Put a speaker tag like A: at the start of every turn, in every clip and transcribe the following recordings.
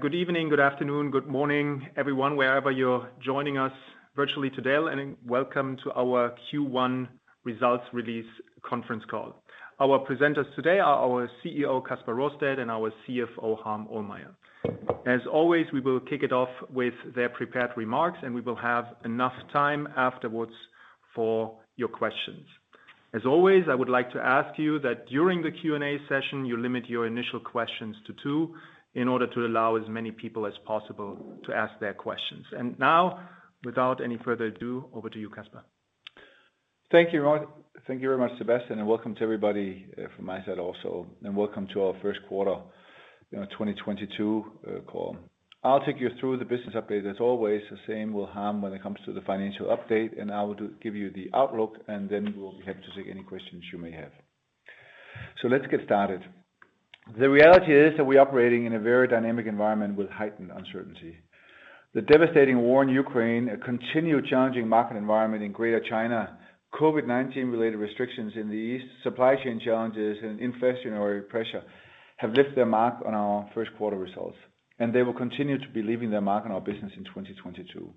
A: Good evening, good afternoon, good morning, everyone, wherever you're joining us virtually today, and welcome to our Q1 results release conference call. Our presenters today are our CEO, Kasper Rørsted, and our CFO, Harm Ohlmeyer. As always, we will kick it off with their prepared remarks, and we will have enough time afterwards for your questions. As always, I would like to ask you that during the Q&A session, you limit your initial questions to two in order to allow as many people as possible to ask their questions. Now, without any further ado, over to you, Kasper.
B: Thank you. Thank you very much, Sebastian, and welcome to everybody from my side also, and Welcome to our First Quarter, you know, 2022, call. I'll take you through the business update. As always, the same with Harm when it comes to the financial update, and I will give you the outlook, and then we'll be happy to take any questions you may have. Let's get started. The reality is that we're operating in a very dynamic environment with heightened uncertainty. The devastating war in Ukraine, a continued challenging market environment in Greater China, COVID-19 related restrictions in the East, supply chain challenges and inflationary pressure have left their mark on our first quarter results, and they will continue to be leaving their mark on our business in 2022.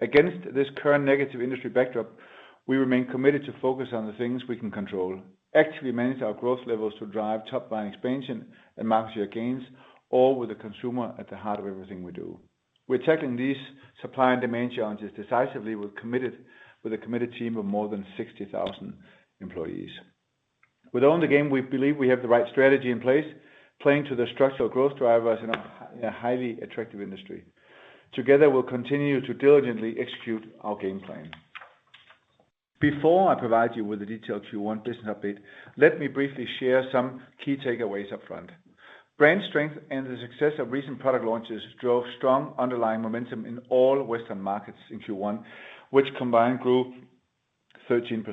B: Against this current negative industry backdrop, we remain committed to focus on the things we can control, actively manage our growth levels to drive top-line expansion and market share gains, all with the consumer at the heart of everything we do. We're tackling these supply and demand challenges decisively with a committed team of more than 60,000 employees. With Own the Game, we believe we have the right strategy in place, playing to the structural growth drivers in a highly attractive industry. Together, we'll continue to diligently execute our game plan. Before I provide you with the detailed Q1 business update, let me briefly share some key takeaways up front. Brand strength and the success of recent product launches drove strong underlying momentum in all Western markets in Q1, which combined grew 13%.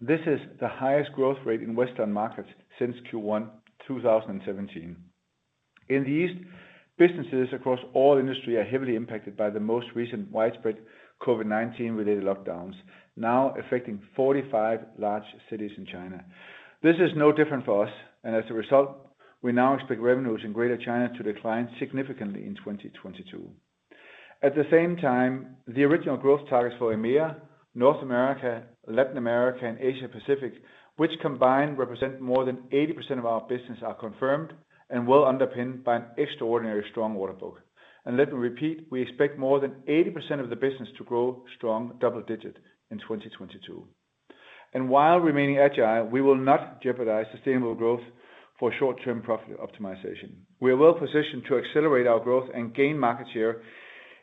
B: This is the highest growth rate in Western markets since Q1 2017. In the East, businesses across all industries are heavily impacted by the most recent widespread COVID-19 related lockdowns, now affecting 45 large cities in China. This is no different for us, and as a result, we now expect revenues in Greater China to decline significantly in 2022. At the same time, the original growth targets for EMEA, North America, Latin America and Asia Pacific, which combined represent more than 80% of our business, are confirmed and well underpinned by an extraordinarily strong order book. Let me repeat, we expect more than 80% of the business to grow strong double-digit in 2022. While remaining agile, we will not jeopardize sustainable growth for short-term profit optimization. We are well positioned to accelerate our growth and gain market share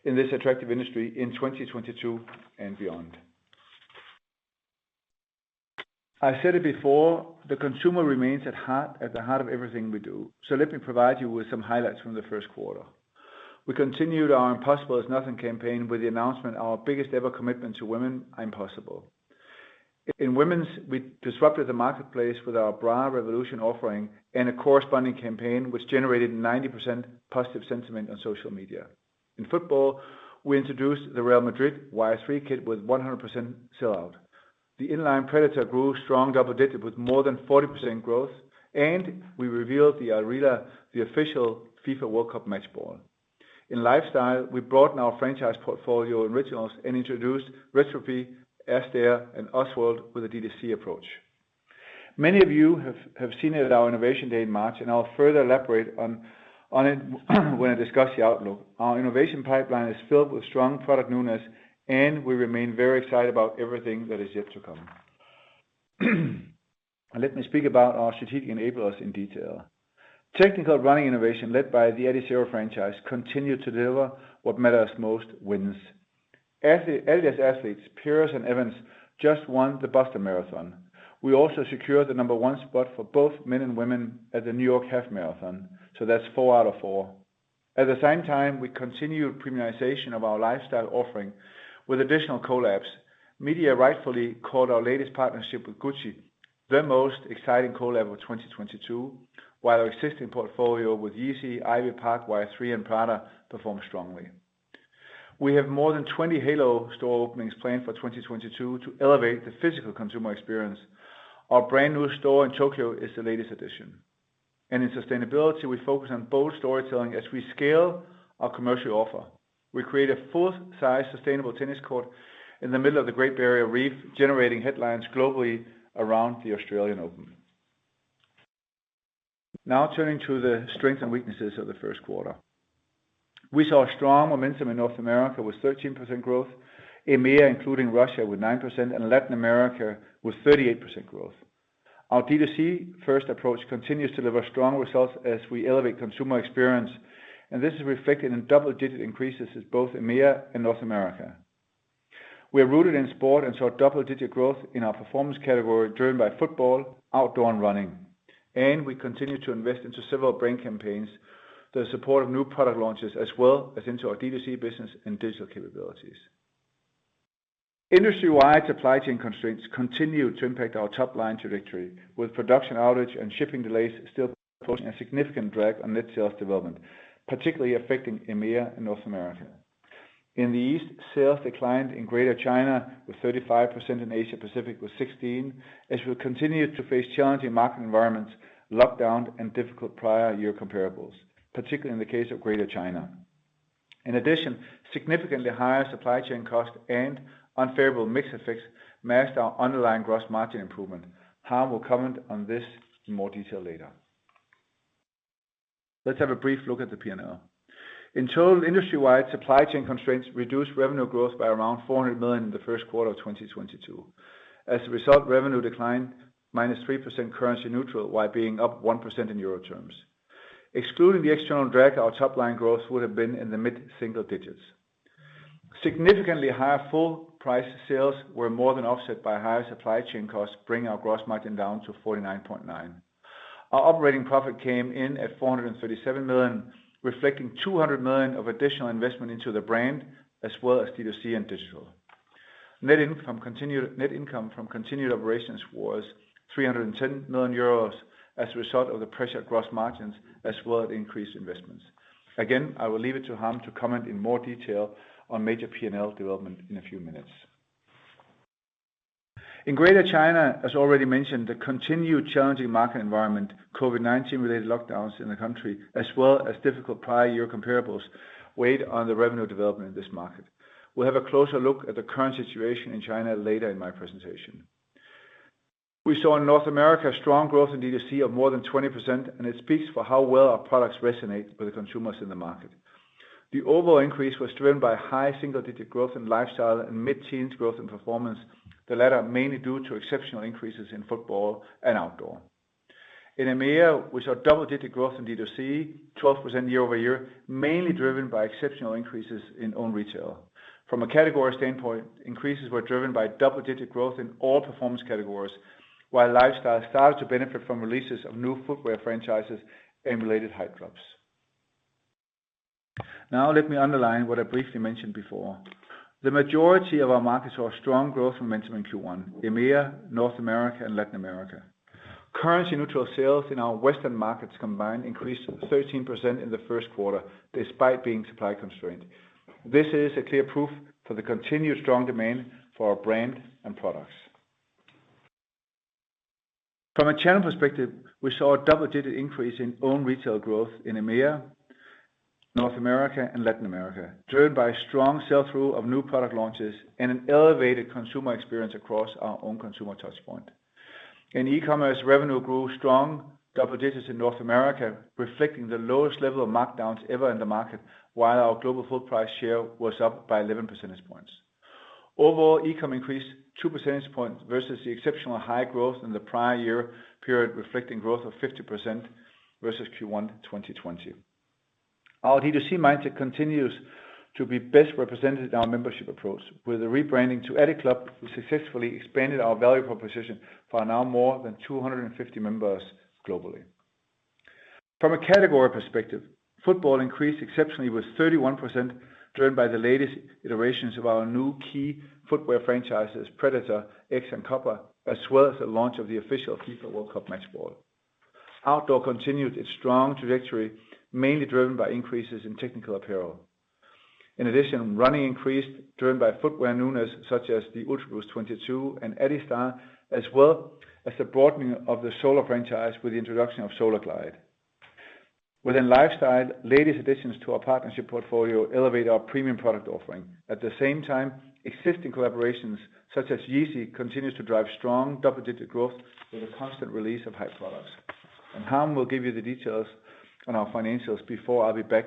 B: in this attractive industry in 2022 and beyond. I said it before, the consumer remains at heart, at the heart of everything we do. Let me provide you with some highlights from the first quarter. We continued our Impossible Is Nothing campaign with the announcement of our biggest ever commitment to women, Impossible. In women's, we disrupted the marketplace with our Bra Revolution offering and a corresponding campaign which generated 90% positive sentiment on social media. In Football, we introduced the Real Madrid Y-3 kit with 100% sellout. The Inline Predator grew strong double-digit with more than 40% growth, and we revealed the Al Rihla, the official FIFA World Cup match ball. In lifestyle, we broadened our franchise portfolio in Originals and introduced Retropy, Astair, and Ozworld with a D2C approach. Many of you have seen it at our Innovation Day in March, and I'll further elaborate on it when I discuss the outlook. Our innovation pipeline is filled with strong product newness, and we remain very excited about everything that is yet to come. Let me speak about our strategic enablers in detail. Technical running innovation led by the Adizero franchise continued to deliver what matters most, wins. Adidas athletes, Peres and Evans just won the Boston Marathon. We also secured the number one spot for both men and women at the New York Half Marathon, so that's 4/4. At the same time, we continued premiumization of our lifestyle offering with additional collabs. Media rightfully called our latest partnership with Gucci the most exciting collab of 2022, while our existing portfolio with Yeezy, Ivy Park, Y-3, and Prada performed strongly. We have more than 20 halo store openings planned for 2022 to elevate the physical consumer experience. Our brand-new store in Tokyo is the latest addition. In sustainability, we focus on bold storytelling as we scale our commercial offer. We create a full-size sustainable tennis court in the middle of the Great Barrier Reef, generating headlines globally around the Australian Open. Now turning to the strengths and weaknesses of the first quarter. We saw strong momentum in North America with 13% growth, EMEA, including Russia, with 9%, and Latin America with 38% growth. Our D2C first approach continues to deliver strong results as we elevate consumer experience, and this is reflected in double-digit increases in both EMEA and North America. We are rooted in sport and saw double-digit growth in our performance category driven by Football, Outdoor, and Running. We continue to invest into several brand campaigns, the support of new product launches, as well as into our D2C business and digital capabilities. Industry-wide supply chain constraints continue to impact our top-line trajectory, with production outage and shipping delays still posing a significant drag on net sales development, particularly affecting EMEA and North America. In the East, sales declined in Greater China with 35%, in Asia Pacific with 16%, as we continued to face challenging market environments, lockdown, and difficult prior year comparables, particularly in the case of Greater China. In addition, significantly higher supply chain costs and unfavorable mix effects masked our underlying gross margin improvement. Harm will comment on this in more detail later. Let's have a brief look at the P&L. In total, industry-wide supply chain constraints reduced revenue growth by around 400 million in the first quarter of 2022. As a result, revenue declined -3% currency neutral, while being up 1% in Euro Terms. Excluding the external drag, our top line growth would have been in the mid-single digits. Significantly higher full price sales were more than offset by higher supply chain costs, bringing our gross margin down to 49.9%. Our operating profit came in at 437 million, reflecting 200 million of additional investment into the brand as well as D2C and digital. Net income from continued operations was 310 million euros as a result of the pressure across margins as well as increased investments. Again, I will leave it to Harm to comment in more detail on major P&L development in a few minutes. In Greater China, as already mentioned, the continued challenging market environment, COVID-19 related lockdowns in the country, as well as difficult prior year comparables, weighed on the revenue development in this market. We'll have a closer look at the current situation in China later in my presentation. We saw in North America strong growth in D2C of more than 20%, and it speaks for how well our products resonate with the consumers in the market. The overall increase was driven by high single-digit growth in lifestyle and mid-teens growth in performance, the latter mainly due to exceptional increases in Football and Outdoor. In EMEA, we saw double-digit growth in D2C, 12% year-over-year, mainly driven by exceptional increases in Own Retail. From a category standpoint, increases were driven by double-digit growth in all performance categories, while lifestyle started to benefit from releases of new footwear franchises and related hype drops. Now let me underline what I briefly mentioned before. The majority of our markets saw strong growth momentum in Q1, EMEA, North America, and Latin America. Currency-neutral sales in our Western markets combined increased 13% in the first quarter, despite being supply constrained. This is a clear proof for the continued strong demand for our brand and products. From a channel perspective, we saw a double-digit increase in Own Retail growth in EMEA, North America, and Latin America, driven by strong sell-through of new product launches and an elevated consumer experience across our own consumer touch point. In e-commerce, revenue grew strong double digits in North America, reflecting the lowest level of markdowns ever in the market, while our global full price share was up by 11 percentage points. Overall, e-com increased 2 percentage points versus the exceptional high growth in the prior year period, reflecting growth of 50% versus Q1 2020. Our D2C mindset continues to be best represented in our membership approach. With the rebranding to adiClub, we successfully expanded our value proposition for now more than 250 members globally. From a category perspective, Football increased exceptionally with 31%, driven by the latest iterations of our new key footwear franchises, Predator, X, and Copa, as well as the launch of the official FIFA World Cup match ball. Outdoor continued its strong trajectory, mainly driven by increases in technical apparel. In addition, running increased, driven by footwear newness such as the Ultraboost 22 and Adistar, as well as the broadening of the SolarGlide franchise with the introduction of SolarGlide. Within lifestyle, latest additions to our partnership portfolio elevate our premium product offering. At the same time, existing collaborations such as Yeezy continues to drive strong double-digit growth with the constant release of hype products. Harm will give you the details on our financials before I'll be back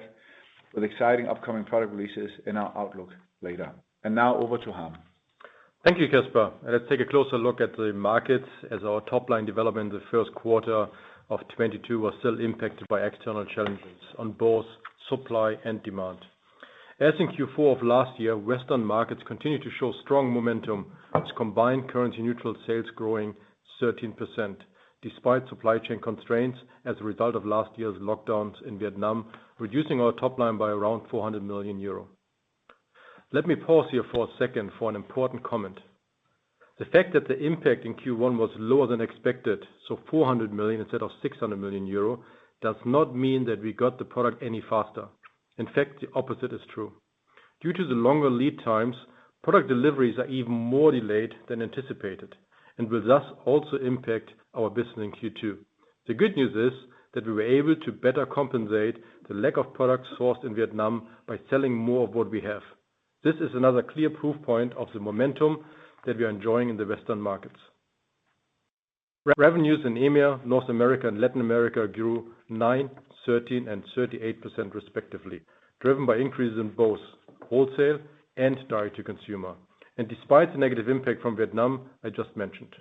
B: with exciting upcoming product releases in our outlook later. Now over to Harm.
C: Thank you, Kasper. Let's take a closer look at the markets as our top-line development in the first quarter of 2022 was still impacted by external challenges on both supply and demand. As in Q4 of last year, Western markets continued to show strong momentum as combined currency neutral sales growing 13% despite supply chain constraints as a result of last year's lockdowns in Vietnam, reducing our top line by around 400 million euro. Let me pause here for a second for an important comment. The fact that the impact in Q1 was lower than expected, so 400 million instead of 600 million, does not mean that we got the product any faster. In fact, the opposite is true. Due to the longer lead times, product deliveries are even more delayed than anticipated and will thus also impact our business in Q2. The good news is that we were able to better compensate the lack of products sourced in Vietnam by selling more of what we have. This is another clear proof point of the momentum that we are enjoying in the Western markets. Revenues in EMEA, North America, and Latin America grew 9%, 13%, and 38% respectively, driven by increases in both wholesale and direct-to-consumer. Despite the negative impact from Vietnam, I just mentioned.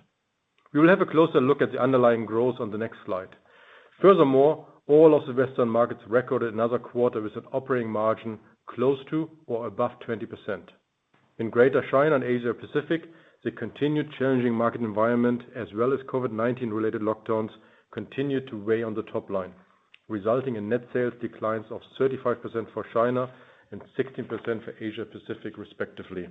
C: We will have a closer look at the underlying growth on the next slide. Furthermore, all of the Western markets recorded another quarter with an operating margin close to or above 20%. In Greater China and Asia Pacific, the continued challenging market environment as well as COVID-19 related lockdowns continued to weigh on the top line, resulting in net sales declines of 35% for China and 16% for Asia Pacific respectively.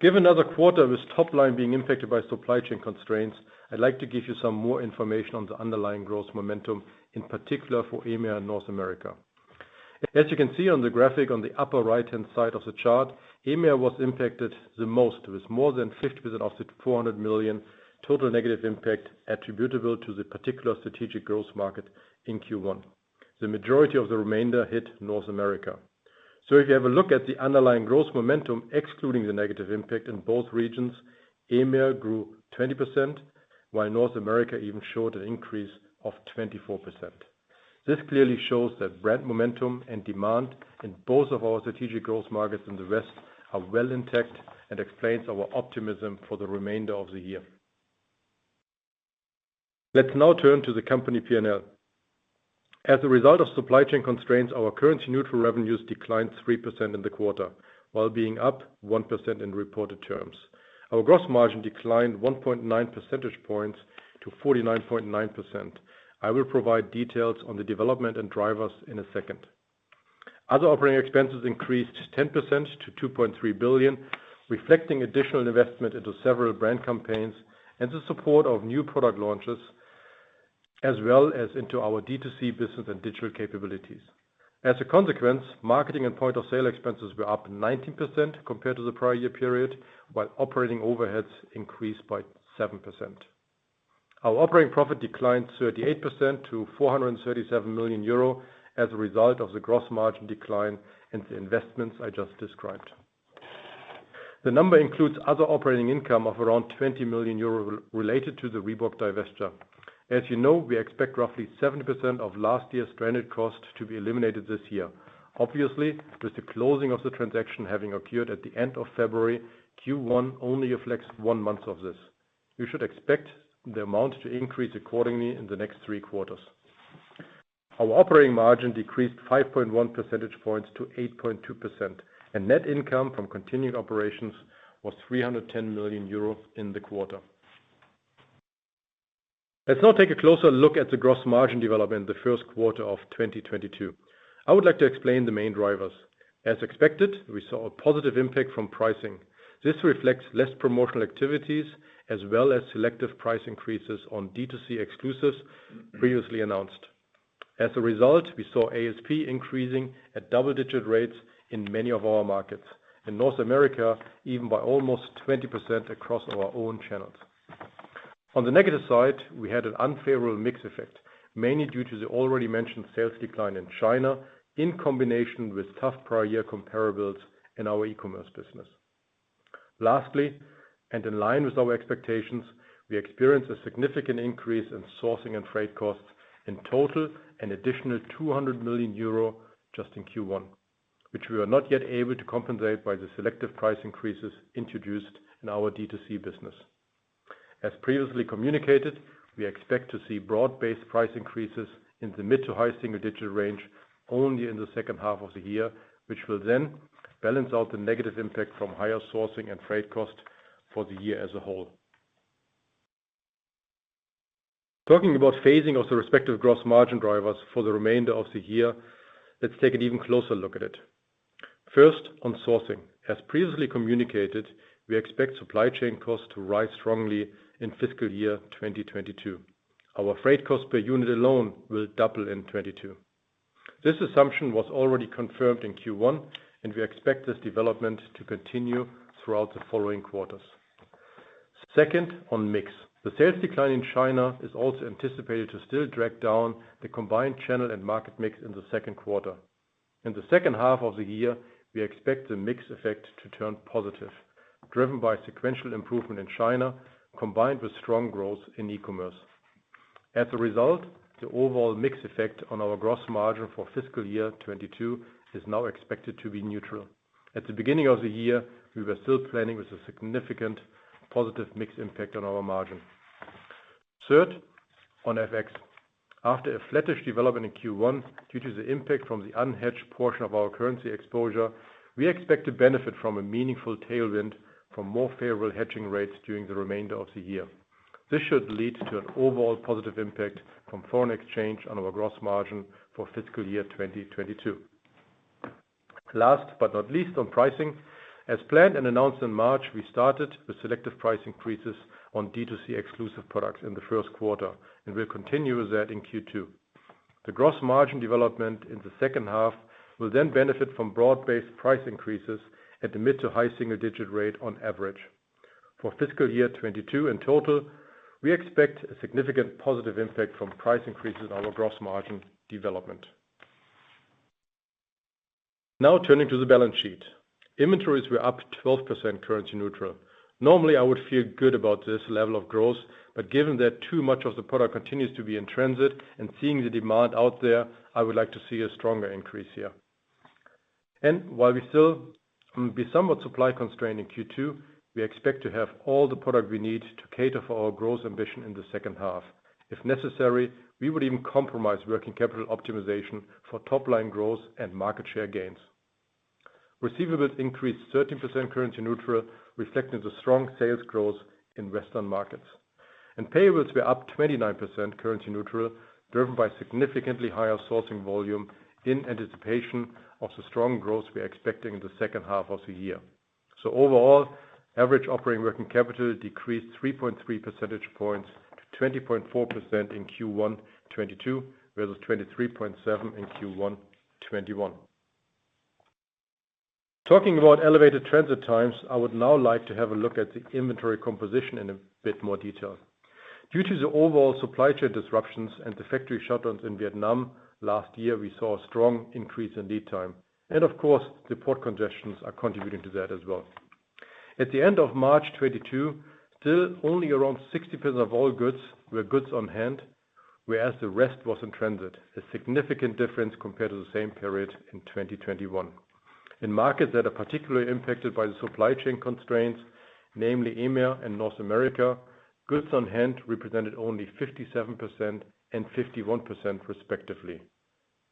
C: Given another quarter with top line being impacted by supply chain constraints, I'd like to give you some more information on the underlying growth momentum, in particular for EMEA and North America. As you can see on the graphic on the upper right-hand side of the chart, EMEA was impacted the most, with more than 50% of the 400 million total negative impact attributable to the particular strategic growth market in Q1. The majority of the remainder hit North America. If you have a look at the underlying growth momentum, excluding the negative impact in both regions, EMEA grew 20%, while North America even showed an increase of 24%. This clearly shows that brand momentum and demand in both of our strategic growth markets and the rest are well intact and explains our optimism for the remainder of the year. Let's now turn to the company P&L. As a result of supply chain constraints, our currency-neutral revenues declined 3% in the quarter while being up 1% in reported terms. Our gross margin declined 1.9 percentage points to 49.9%. I will provide details on the development and drivers in a second. Other operating expenses increased 10% to 2.3 billion, reflecting additional investment into several brand campaigns and the support of new product launches as well as into our D2C business and digital capabilities. As a consequence, marketing and point of sale expenses were up 19% compared to the prior year period, while operating overheads increased by 7%. Our operating profit declined 38% to 437 million euro as a result of the gross margin decline and the investments I just described. The number includes other operating income of around 20 million euros related to the Reebok divestiture. As you know, we expect roughly 70% of last year's stranded cost to be eliminated this year. Obviously, with the closing of the transaction having occurred at the end of February, Q1 only reflects one month of this. You should expect the amount to increase accordingly in the next three quarters. Our operating margin decreased 5.1 percentage points to 8.2%, and net income from continued operations was 310 million euro in the quarter. Let's now take a closer look at the gross margin development in the first quarter of 2022. I would like to explain the main drivers. As expected, we saw a positive impact from pricing. This reflects less promotional activities as well as selective price increases on D2C exclusives previously announced. As a result, we saw ASP increasing at double-digit rates in many of our markets. In North America, even by almost 20% across our own channels. On the negative side, we had an unfavorable mix effect, mainly due to the already mentioned sales decline in China in combination with tough prior year comparables in our e-commerce business. Lastly, and in line with our expectations, we experienced a significant increase in sourcing and freight costs in total, an additional 200 million euro just in Q1, which we are not yet able to compensate by the selective price increases introduced in our D2C business. As previously communicated, we expect to see broad-based price increases in the mid to high single-digit range only in the second half of the year, which will then balance out the negative impact from higher sourcing and freight cost for the year as a whole. Talking about phasing of the respective gross margin drivers for the remainder of the year, let's take an even closer look at it. First, on sourcing. As previously communicated, we expect supply chain costs to rise strongly in fiscal year 2022. Our freight cost per unit alone will double in 2022. This assumption was already confirmed in Q1, and we expect this development to continue throughout the following quarters. Second, on mix. The sales decline in China is also anticipated to still drag down the combined channel and market mix in the second quarter. In the second half of the year, we expect the mix effect to turn positive, driven by sequential improvement in China, combined with strong growth in e-commerce. As a result, the overall mix effect on our gross margin for fiscal year 2022 is now expected to be neutral. At the beginning of the year, we were still planning with a significant positive mix impact on our margin. Third, on FX. After a flattish development in Q1 due to the impact from the unhedged portion of our currency exposure, we expect to benefit from a meaningful tailwind from more favorable hedging rates during the remainder of the year. This should lead to an overall positive impact from foreign exchange on our gross margin for fiscal year 2022. Last but not least, on pricing. As planned and announced in March, we started with selective price increases on D2C exclusive products in the first quarter, and we'll continue with that in Q2. The gross margin development in the second half will then benefit from broad-based price increases at the mid- to high single-digit rate on average. For fiscal year 2022 in total, we expect a significant positive impact from price increases on our gross margin development. Now turning to the balance sheet. Inventories were up 12% currency neutral. Normally, I would feel good about this level of growth, but given that too much of the product continues to be in transit and seeing the demand out there, I would like to see a stronger increase here. While we still will be somewhat supply constrained in Q2, we expect to have all the product we need to cater for our growth ambition in the second half. If necessary, we would even compromise working capital optimization for top-line growth and market share gains. Receivables increased 13% currency neutral, reflecting the strong sales growth in Western markets. Payables were up 29% currency neutral, driven by significantly higher sourcing volume in anticipation of the strong growth we are expecting in the second half of the year. Overall, average operating working capital decreased 3.3 percentage points to 20.4% in Q1 2022, versus 23.7% in Q1 2021. Talking about elevated transit times, I would now like to have a look at the inventory composition in a bit more detail. Due to the overall supply chain disruptions and the factory shutdowns in Vietnam last year, we saw a strong increase in lead time. Of course, the port congestions are contributing to that as well. At the end of March 2022, still only around 60% of all goods were goods on hand, whereas the rest was in transit, a significant difference compared to the same period in 2021. In markets that are particularly impacted by the supply chain constraints, namely EMEA and North America, goods on hand represented only 57% and 51% respectively.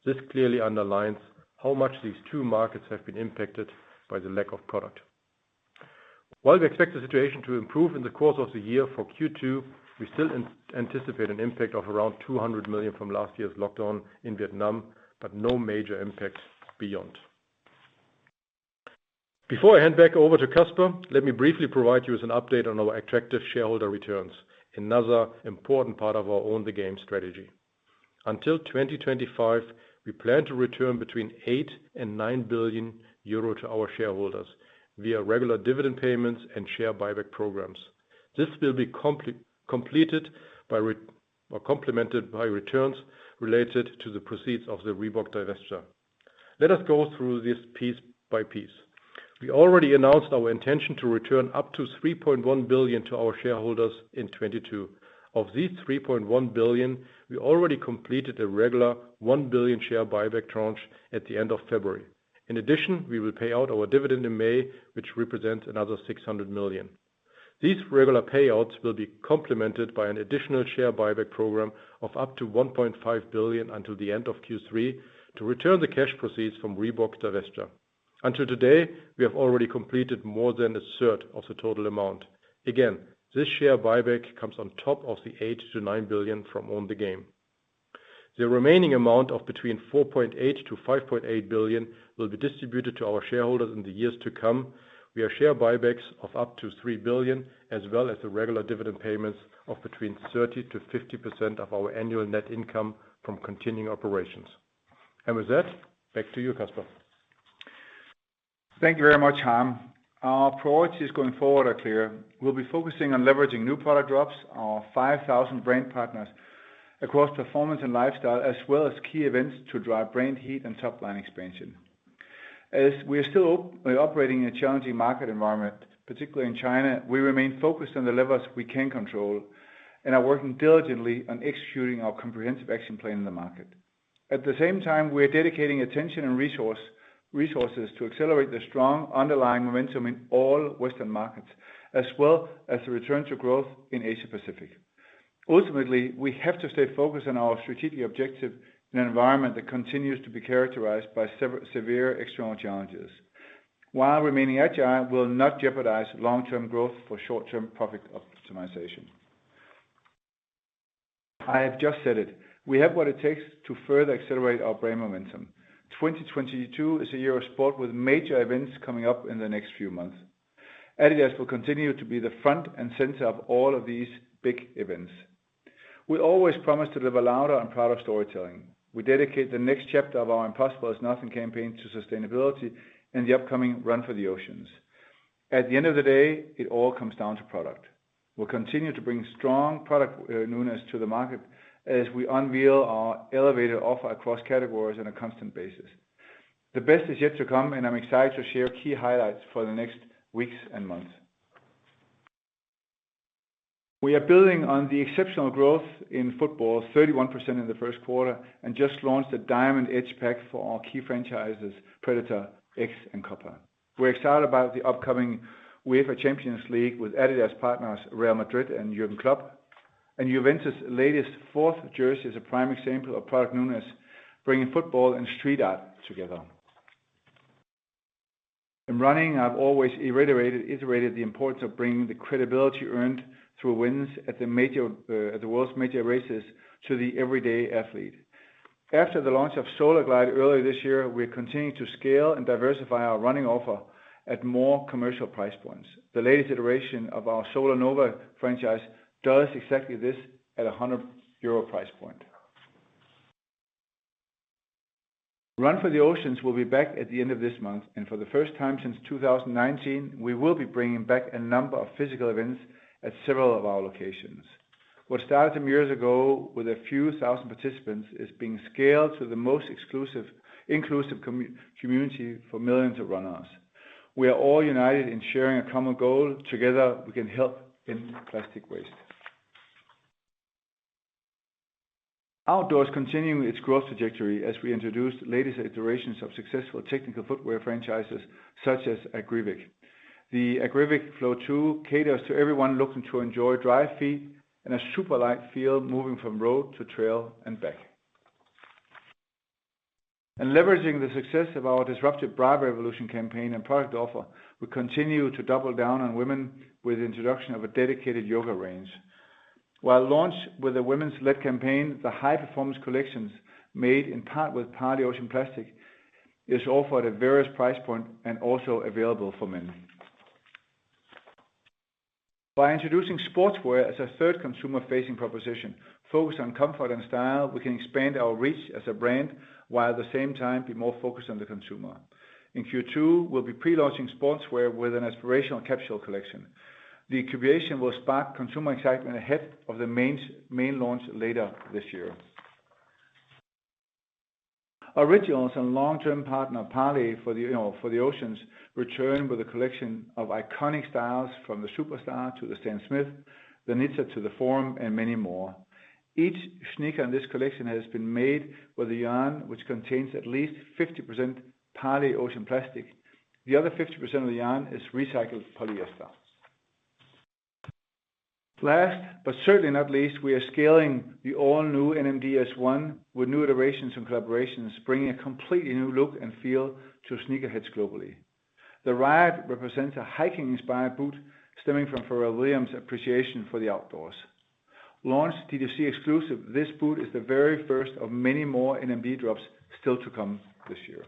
C: This clearly underlines how much these two markets have been impacted by the lack of product. While we expect the situation to improve in the course of the year for Q2, we still anticipate an impact of around 200 million from last year's lockdown in Vietnam, but no major impacts beyond. Before I hand back over to Kasper, let me briefly provide you with an update on our attractive shareholder returns, another important part of our Own the Game strategy. Until 2025, we plan to return between 8 billion and 9 billion to our shareholders via regular dividend payments and share buyback programs. This will be complemented by returns related to the proceeds of the Reebok divestiture. Let us go through this piece by piece. We already announced our intention to return up to 3.1 billion to our shareholders in 2022. Of these 3.1 billion, we already completed a regular 1 billion share buyback tranche at the end of February. In addition, we will pay out our dividend in May, which represents another 600 million. These regular payouts will be complemented by an additional share buyback program of up to 1.5 billion until the end of Q3 to return the cash proceeds from Reebok divestiture. Until today, we have already completed more than a third of the total amount. Again, this share buyback comes on top of the 8 billion-9 billion from Own the Game. The remaining amount of between 4.8 billion-5.8 billion will be distributed to our shareholders in the years to come, via share buybacks of up to 3 billion, as well as the regular dividend payments of between 30%-50% of our annual net income from continuing operations. With that, back to you, Kasper.
B: Thank you very much, Harm. Our priorities going forward are clear. We'll be focusing on leveraging new product drops, our 5,000 brand partners across performance and lifestyle, as well as key events to drive brand heat and top-line expansion. As we are still operating in a challenging market environment, particularly in China, we remain focused on the levers we can control and are working diligently on executing our comprehensive action plan in the market. At the same time, we are dedicating attention and resources to accelerate the strong underlying momentum in all Western markets, as well as the return to growth in Asia Pacific. Ultimately, we have to stay focused on our strategic objective in an environment that continues to be characterized by severe external challenges. While remaining agile will not jeopardize long-term growth for short-term profit optimization. I have just said it. We have what it takes to further accelerate our brand momentum. 2022 is a year of sport with major events coming up in the next few months. adidas will continue to be the front and center of all of these big events. We always promise to live a louder and prouder storytelling. We dedicate the next chapter of our Impossible Is Nothing campaign to sustainability and the upcoming Run for the Oceans. At the end of the day, it all comes down to product. We'll continue to bring strong product newness to the market as we unveil our elevated offer across categories on a constant basis. The best is yet to come, and I'm excited to share key highlights for the next weeks and months. We are building on the exceptional growth in Football, 31% in the first quarter, and just launched a diamond-edge pack for our key franchises, Predator, X, and Copa. We're excited about the upcoming UEFA Champions League with adidas partners Real Madrid and Jürgen Klopp. Juventus' latest fourth jersey is a prime example of product newness, bringing Football and street art together. In running, I've always iterated the importance of bringing the credibility earned through wins at the major, at the world's major races to the everyday athlete. After the launch of SolarGlide earlier this year, we are continuing to scale and diversify our running offer at more commercial price points. The latest iteration of our Supernova franchise does exactly this at a 100 euro price point. Run for the Oceans will be back at the end of this month, and for the first time since 2019, we will be bringing back a number of physical events at several of our locations. What started some years ago with a few thousand participants is being scaled to the most exclusive, inclusive community for millions of runners. We are all united in sharing a common goal. Together, we can help end plastic waste. Outdoors continuing its growth trajectory as we introduced latest iterations of successful technical footwear franchises such as Agravic. The Agravic Flow 2 caters to everyone looking to enjoy dry feet and a super light feel moving from road to trail and back. Leveraging the success of our disruptive Bra Revolution campaign and product offer, we continue to double down on women with the introduction of a dedicated yoga range. While launched with a women's-led campaign, the high-performance collections made in part with Parley Ocean Plastic is offered at various price point and also available for men. By introducing Sportswear as a third consumer-facing proposition focused on comfort and style, we can expand our reach as a brand, while at the same time be more focused on the consumer. In Q2, we'll be pre-launching Sportswear with an aspirational capsule collection. The curation will spark consumer excitement ahead of the main launch later this year. Originals and long-term partner of Parley for the, you know, for the Oceans return with a collection of iconic styles from the Superstar to the Stan Smith, the Nizza to the Forum, and many more. Each sneaker in this collection has been made with a yarn which contains at least 50% Parley Ocean Plastic. The other 50% of the yarn is recycled polyester. Last, but certainly not least, we are scaling the all-new NMD S1 with new iterations and collaborations, bringing a completely new look and feel to sneakerheads globally. The Ride represents a hiking-inspired boot stemming from Pharrell Williams' appreciation for the outdoors. Launched D2C exclusive, this boot is the very first of many more NMD drops still to come this year.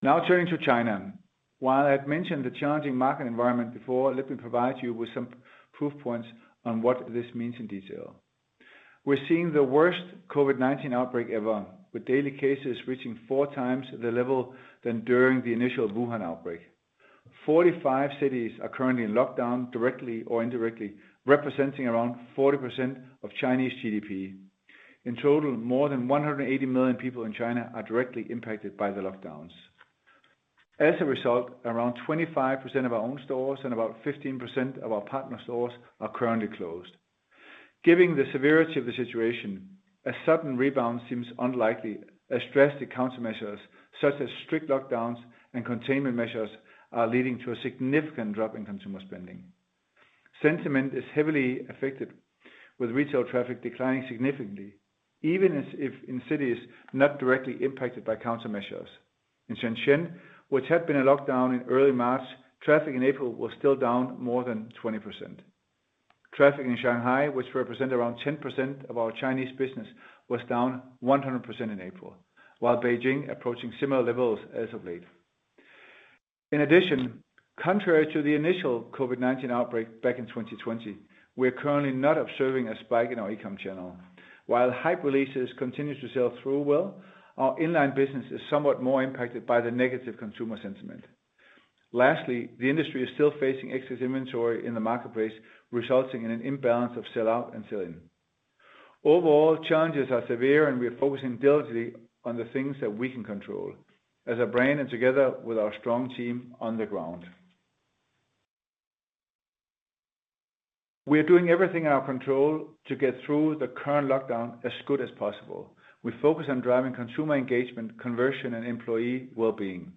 B: Now turning to China. While I had mentioned the challenging market environment before, let me provide you with some proof points on what this means in detail. We're seeing the worst COVID-19 outbreak ever, with daily cases reaching four times the level that during the initial Wuhan outbreak. 45 cities are currently in lockdown, directly or indirectly, representing around 40% of Chinese GDP. In total, more than 180 million people in China are directly impacted by the lockdowns. As a result, around 25% of our own stores and about 15% of our partner stores are currently closed. Given the severity of the situation, a sudden rebound seems unlikely as drastic countermeasures such as strict lockdowns and containment measures are leading to a significant drop in consumer spending. Sentiment is heavily affected, with retail traffic declining significantly, even in cities not directly impacted by countermeasures. In Shenzhen, which had been in lockdown in early March, traffic in April was still down more than 20%. Traffic in Shanghai, which represent around 10% of our Chinese business, was down 100% in April, while Beijing approaching similar levels as of late. In addition, contrary to the initial COVID-19 outbreak back in 2020, we are currently not observing a spike in our e-com channel. While hype releases continue to sell through well, our inline business is somewhat more impacted by the negative consumer sentiment. Lastly, the industry is still facing excess inventory in the marketplace, resulting in an imbalance of sell-out and sell-in. Overall, challenges are severe, and we are focusing diligently on the things that we can control as a brand and together with our strong team on the ground. We are doing everything in our control to get through the current lockdown as good as possible. We focus on driving consumer engagement, conversion, and employee wellbeing.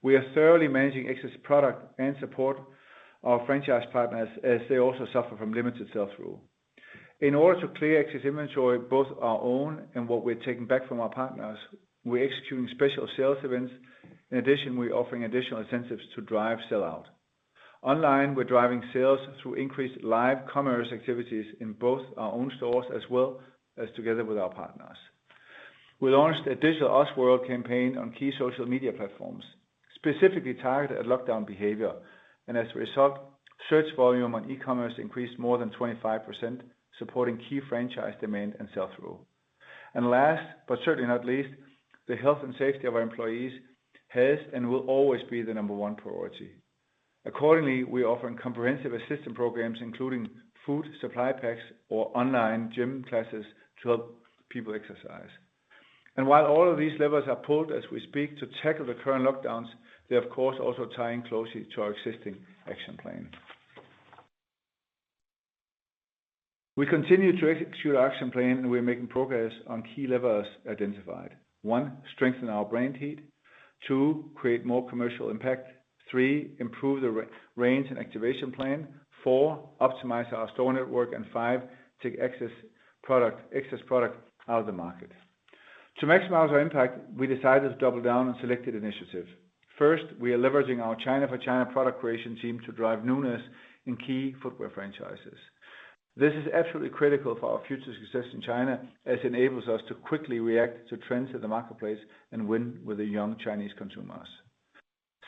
B: We are thoroughly managing excess product and support our franchise partners as they also suffer from limited sell-through. In order to clear excess inventory, both our own and what we're taking back from our partners, we're executing special sales events. In addition, we're offering additional incentives to drive sell-out. Online, we're driving sales through increased live commerce activities in both our own stores as well as together with our partners. We launched a digital Ozworld campaign on key social media platforms, specifically targeted at lockdown behavior, and as a result, search volume on e-commerce increased more than 25%, supporting key franchise demand and sell-through. Last, but certainly not least, the health and safety of our employees has and will always be the number one priority. Accordingly, we offer comprehensive assistant programs, including food supply packs or online gym classes to help people exercise. While all of these levers are pulled as we speak to tackle the current lockdowns, they are of course also tie in closely to our existing action plan. We continue to execute our action plan, and we're making progress on key levers identified. One, strengthen our brand heat. Two, create more commercial impact. Three, improve the range and activation plan. Four, optimize our store network. And five, take excess product out of the market. To maximize our impact, we decided to double down on selected initiatives. First, we are leveraging our China for China product creation team to drive newness in key footwear franchises. This is absolutely critical for our future success in China, as it enables us to quickly react to trends in the marketplace and win with the young Chinese consumers.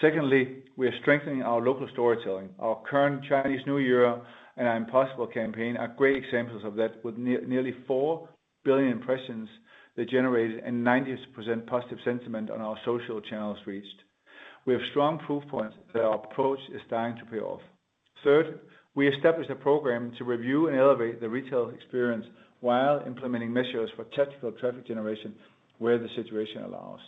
B: Secondly, we are strengthening our local storytelling. Our current Chinese New Year and Impossible campaign are great examples of that with nearly 4 billion impressions that generated and 90% positive sentiment on our social channels reached. We have strong proof points that our approach is starting to pay off. Third, we established a program to review and elevate the retail experience while implementing measures for tactical traffic generation where the situation allows.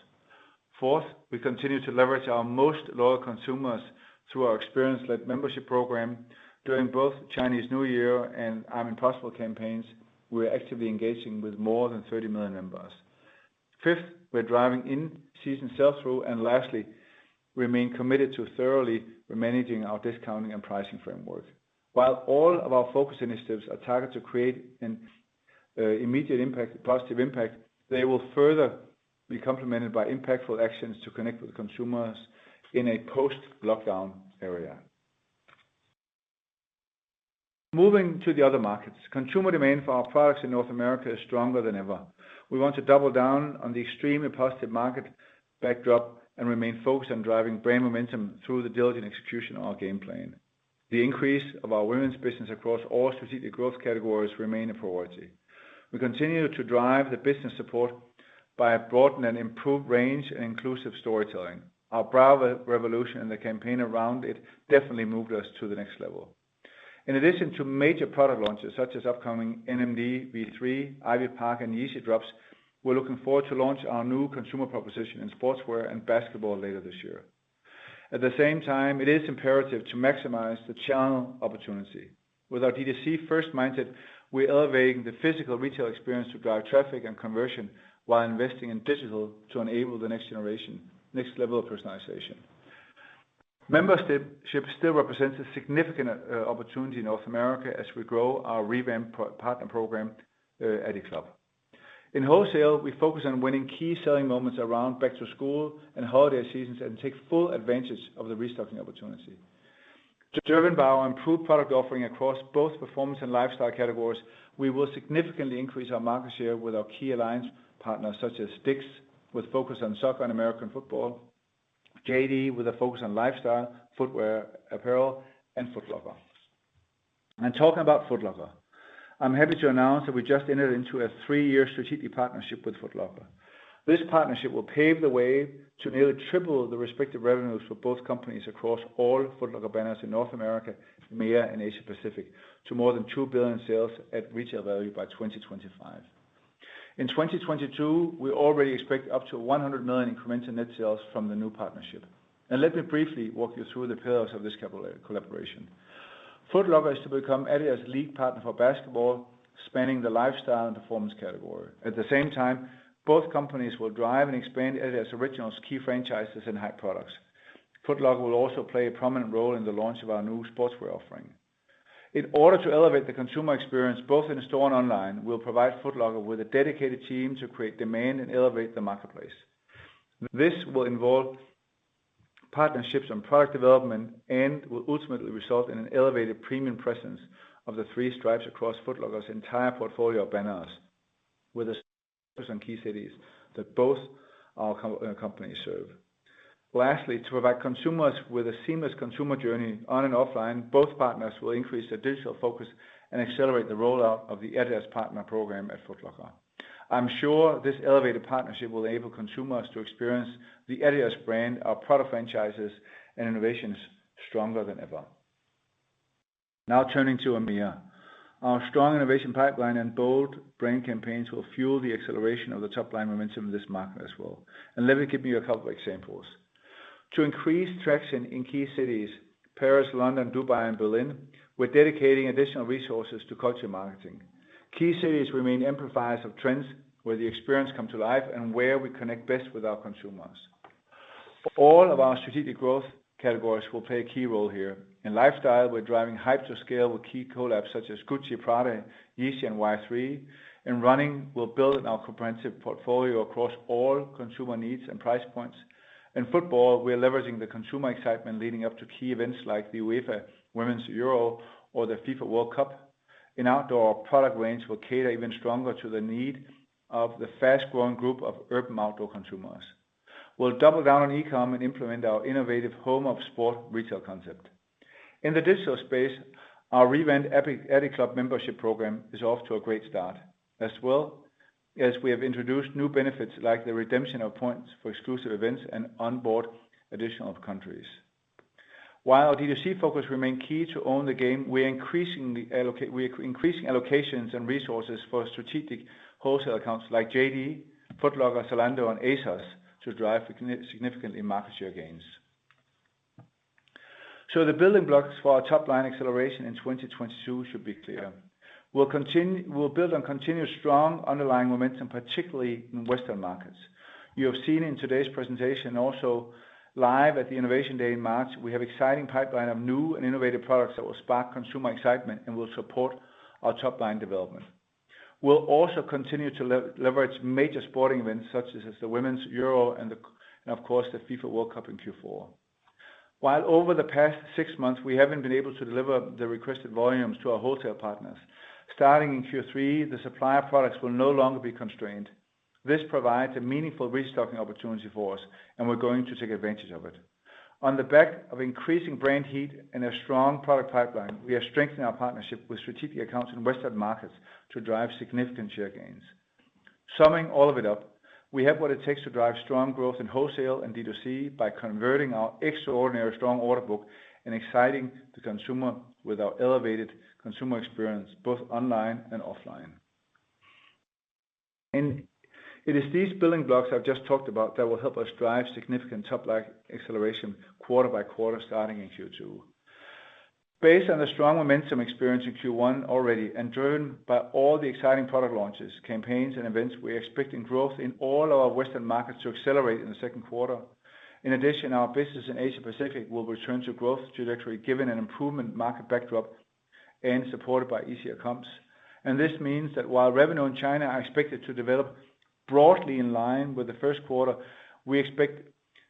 B: Fourth, we continue to leverage our most loyal consumers through our experience-led membership program. During both Chinese New Year and Impossible Is Nothing campaigns, we're actively engaging with more than 30 million members. Fifth, we're driving in-season sell-through, and lastly, remain committed to thoroughly managing our discounting and pricing framework. While all of our focus initiatives are targeted to create an immediate impact, a positive impact, they will further be complemented by impactful actions to connect with consumers in a post-lockdown era. Moving to the other markets, consumer demand for our products in North America is stronger than ever. We want to double down on the extremely positive market backdrop and remain focused on driving brand momentum through the diligent execution of our game plan. The increase of our women's business across all strategic growth categories remain a priority. We continue to drive the business support by a broadened and improved range and inclusive storytelling. Our Bra Revolution and the campaign around it definitely moved us to the next level. In addition to major product launches, such as upcoming NMD V3, Ivy Park, and Yeezy drops, we're looking forward to launch our new consumer proposition in Sportswear and basketball later this year. At the same time, it is imperative to maximize the channel opportunity. With our D2C first mindset, we're elevating the physical retail experience to drive traffic and conversion while investing in digital to enable the next level of personalization. Membership still represents a significant opportunity in North America as we grow our revamped partner program, adiClub. In wholesale, we focus on winning key selling moments around back to school and holiday seasons and take full advantage of the restocking opportunity. Driven by our improved product offering across both performance and lifestyle categories, we will significantly increase our market share with our key alliance partners such as DICK'S, with focus on soccer and American Football, JD with a focus on lifestyle, footwear, apparel, and Foot Locker. Talking about Foot Locker, I'm happy to announce that we just entered into a three-year strategic partnership with Foot Locker. This partnership will pave the way to nearly triple the respective revenues for both companies across all Foot Locker banners in North America, EMEA, and Asia-Pacific to more than 2 billion sales at retail value by 2025. In 2022, we already expect up to 100 million incremental net sales from the new partnership. Let me briefly walk you through the pillars of this collaboration. Foot Locker is to become adidas league partner for basketball, spanning the lifestyle and performance category. At the same time, both companies will drive and expand adidas Originals key franchises and high products. Foot Locker will also play a prominent role in the launch of our new Sportswear offering. In order to elevate the consumer experience, both in-store and online, we'll provide Foot Locker with a dedicated team to create demand and elevate the marketplace. This will involve partnerships on product development and will ultimately result in an elevated premium presence of the three stripes across Foot Locker's entire portfolio of banners with a focus on Key Cities that both our companies serve. Lastly, to provide consumers with a seamless consumer journey on and offline, both partners will increase their digital focus and accelerate the rollout of the adidas partner program at Foot Locker. I'm sure this elevated partnership will enable consumers to experience the adidas brand, our product franchises, and innovations stronger than ever. Now turning to EMEA. Our strong innovation pipeline and bold brand campaigns will fuel the acceleration of the top-line momentum in this market as well. Let me give you a couple of examples. To increase traction in Key Cities, Paris, London, Dubai, and Berlin, we're dedicating additional resources to culture marketing. Key Cities remain amplifiers of trends where the experience come to life and where we connect best with our consumers. All of our strategic growth categories will play a key role here. In lifestyle, we're driving hype to scale with key collabs such as Gucci, Prada, Yeezy, and Y-3. In running, we'll build on our comprehensive portfolio across all consumer needs and price points. In Football, we're leveraging the consumer excitement leading up to key events like the UEFA Women's EURO or the FIFA World Cup. In outdoor, our product range will cater even stronger to the need of the fast-growing group of urban outdoor consumers. We'll double down on e-com and implement our innovative Home of Sport retail concept. In the digital space, our revamped adiclub membership program is off to a great start, as well as we have introduced new benefits like the redemption of points for exclusive events and onboard additional countries. While D2C focus remains key to Own the Game, we're increasing allocations and resources for strategic wholesale accounts like JD, Foot Locker, Zalando, and ASOS to drive significant market share gains. The building blocks for our top line acceleration in 2022 should be clear. We'll build on continuously strong underlying momentum, particularly in Western markets. You have seen in today's presentation also live at the Innovation Day in March, we have exciting pipeline of new and innovative products that will spark consumer excitement and will support our top-line development. We'll also continue to leverage major sporting events such as the Women's Euro and, of course, the FIFA World Cup in Q4. While over the past six months, we haven't been able to deliver the requested volumes to our wholesale partners, starting in Q3, the supply of products will no longer be constrained. This provides a meaningful restocking opportunity for us, and we're going to take advantage of it. On the back of increasing brand heat and a strong product pipeline, we are strengthening our partnership with strategic accounts in Western markets to drive significant share gains. Summing all of it up, we have what it takes to drive strong growth in wholesale and D2C by converting our extraordinarily strong order book and exciting the consumer with our elevated consumer experience, both online and offline. It is these building blocks I've just talked about that will help us drive significant top-line acceleration quarter by quarter starting in Q2. Based on the strong momentum experienced in Q1 already and driven by all the exciting product launches, campaigns, and events, we're expecting growth in all our Western markets to accelerate in the second quarter. In addition, our business in Asia Pacific will return to growth trajectory, given an improvement market backdrop and supported by easier comps. This means that while revenue in China are expected to develop broadly in line with the first quarter, we expect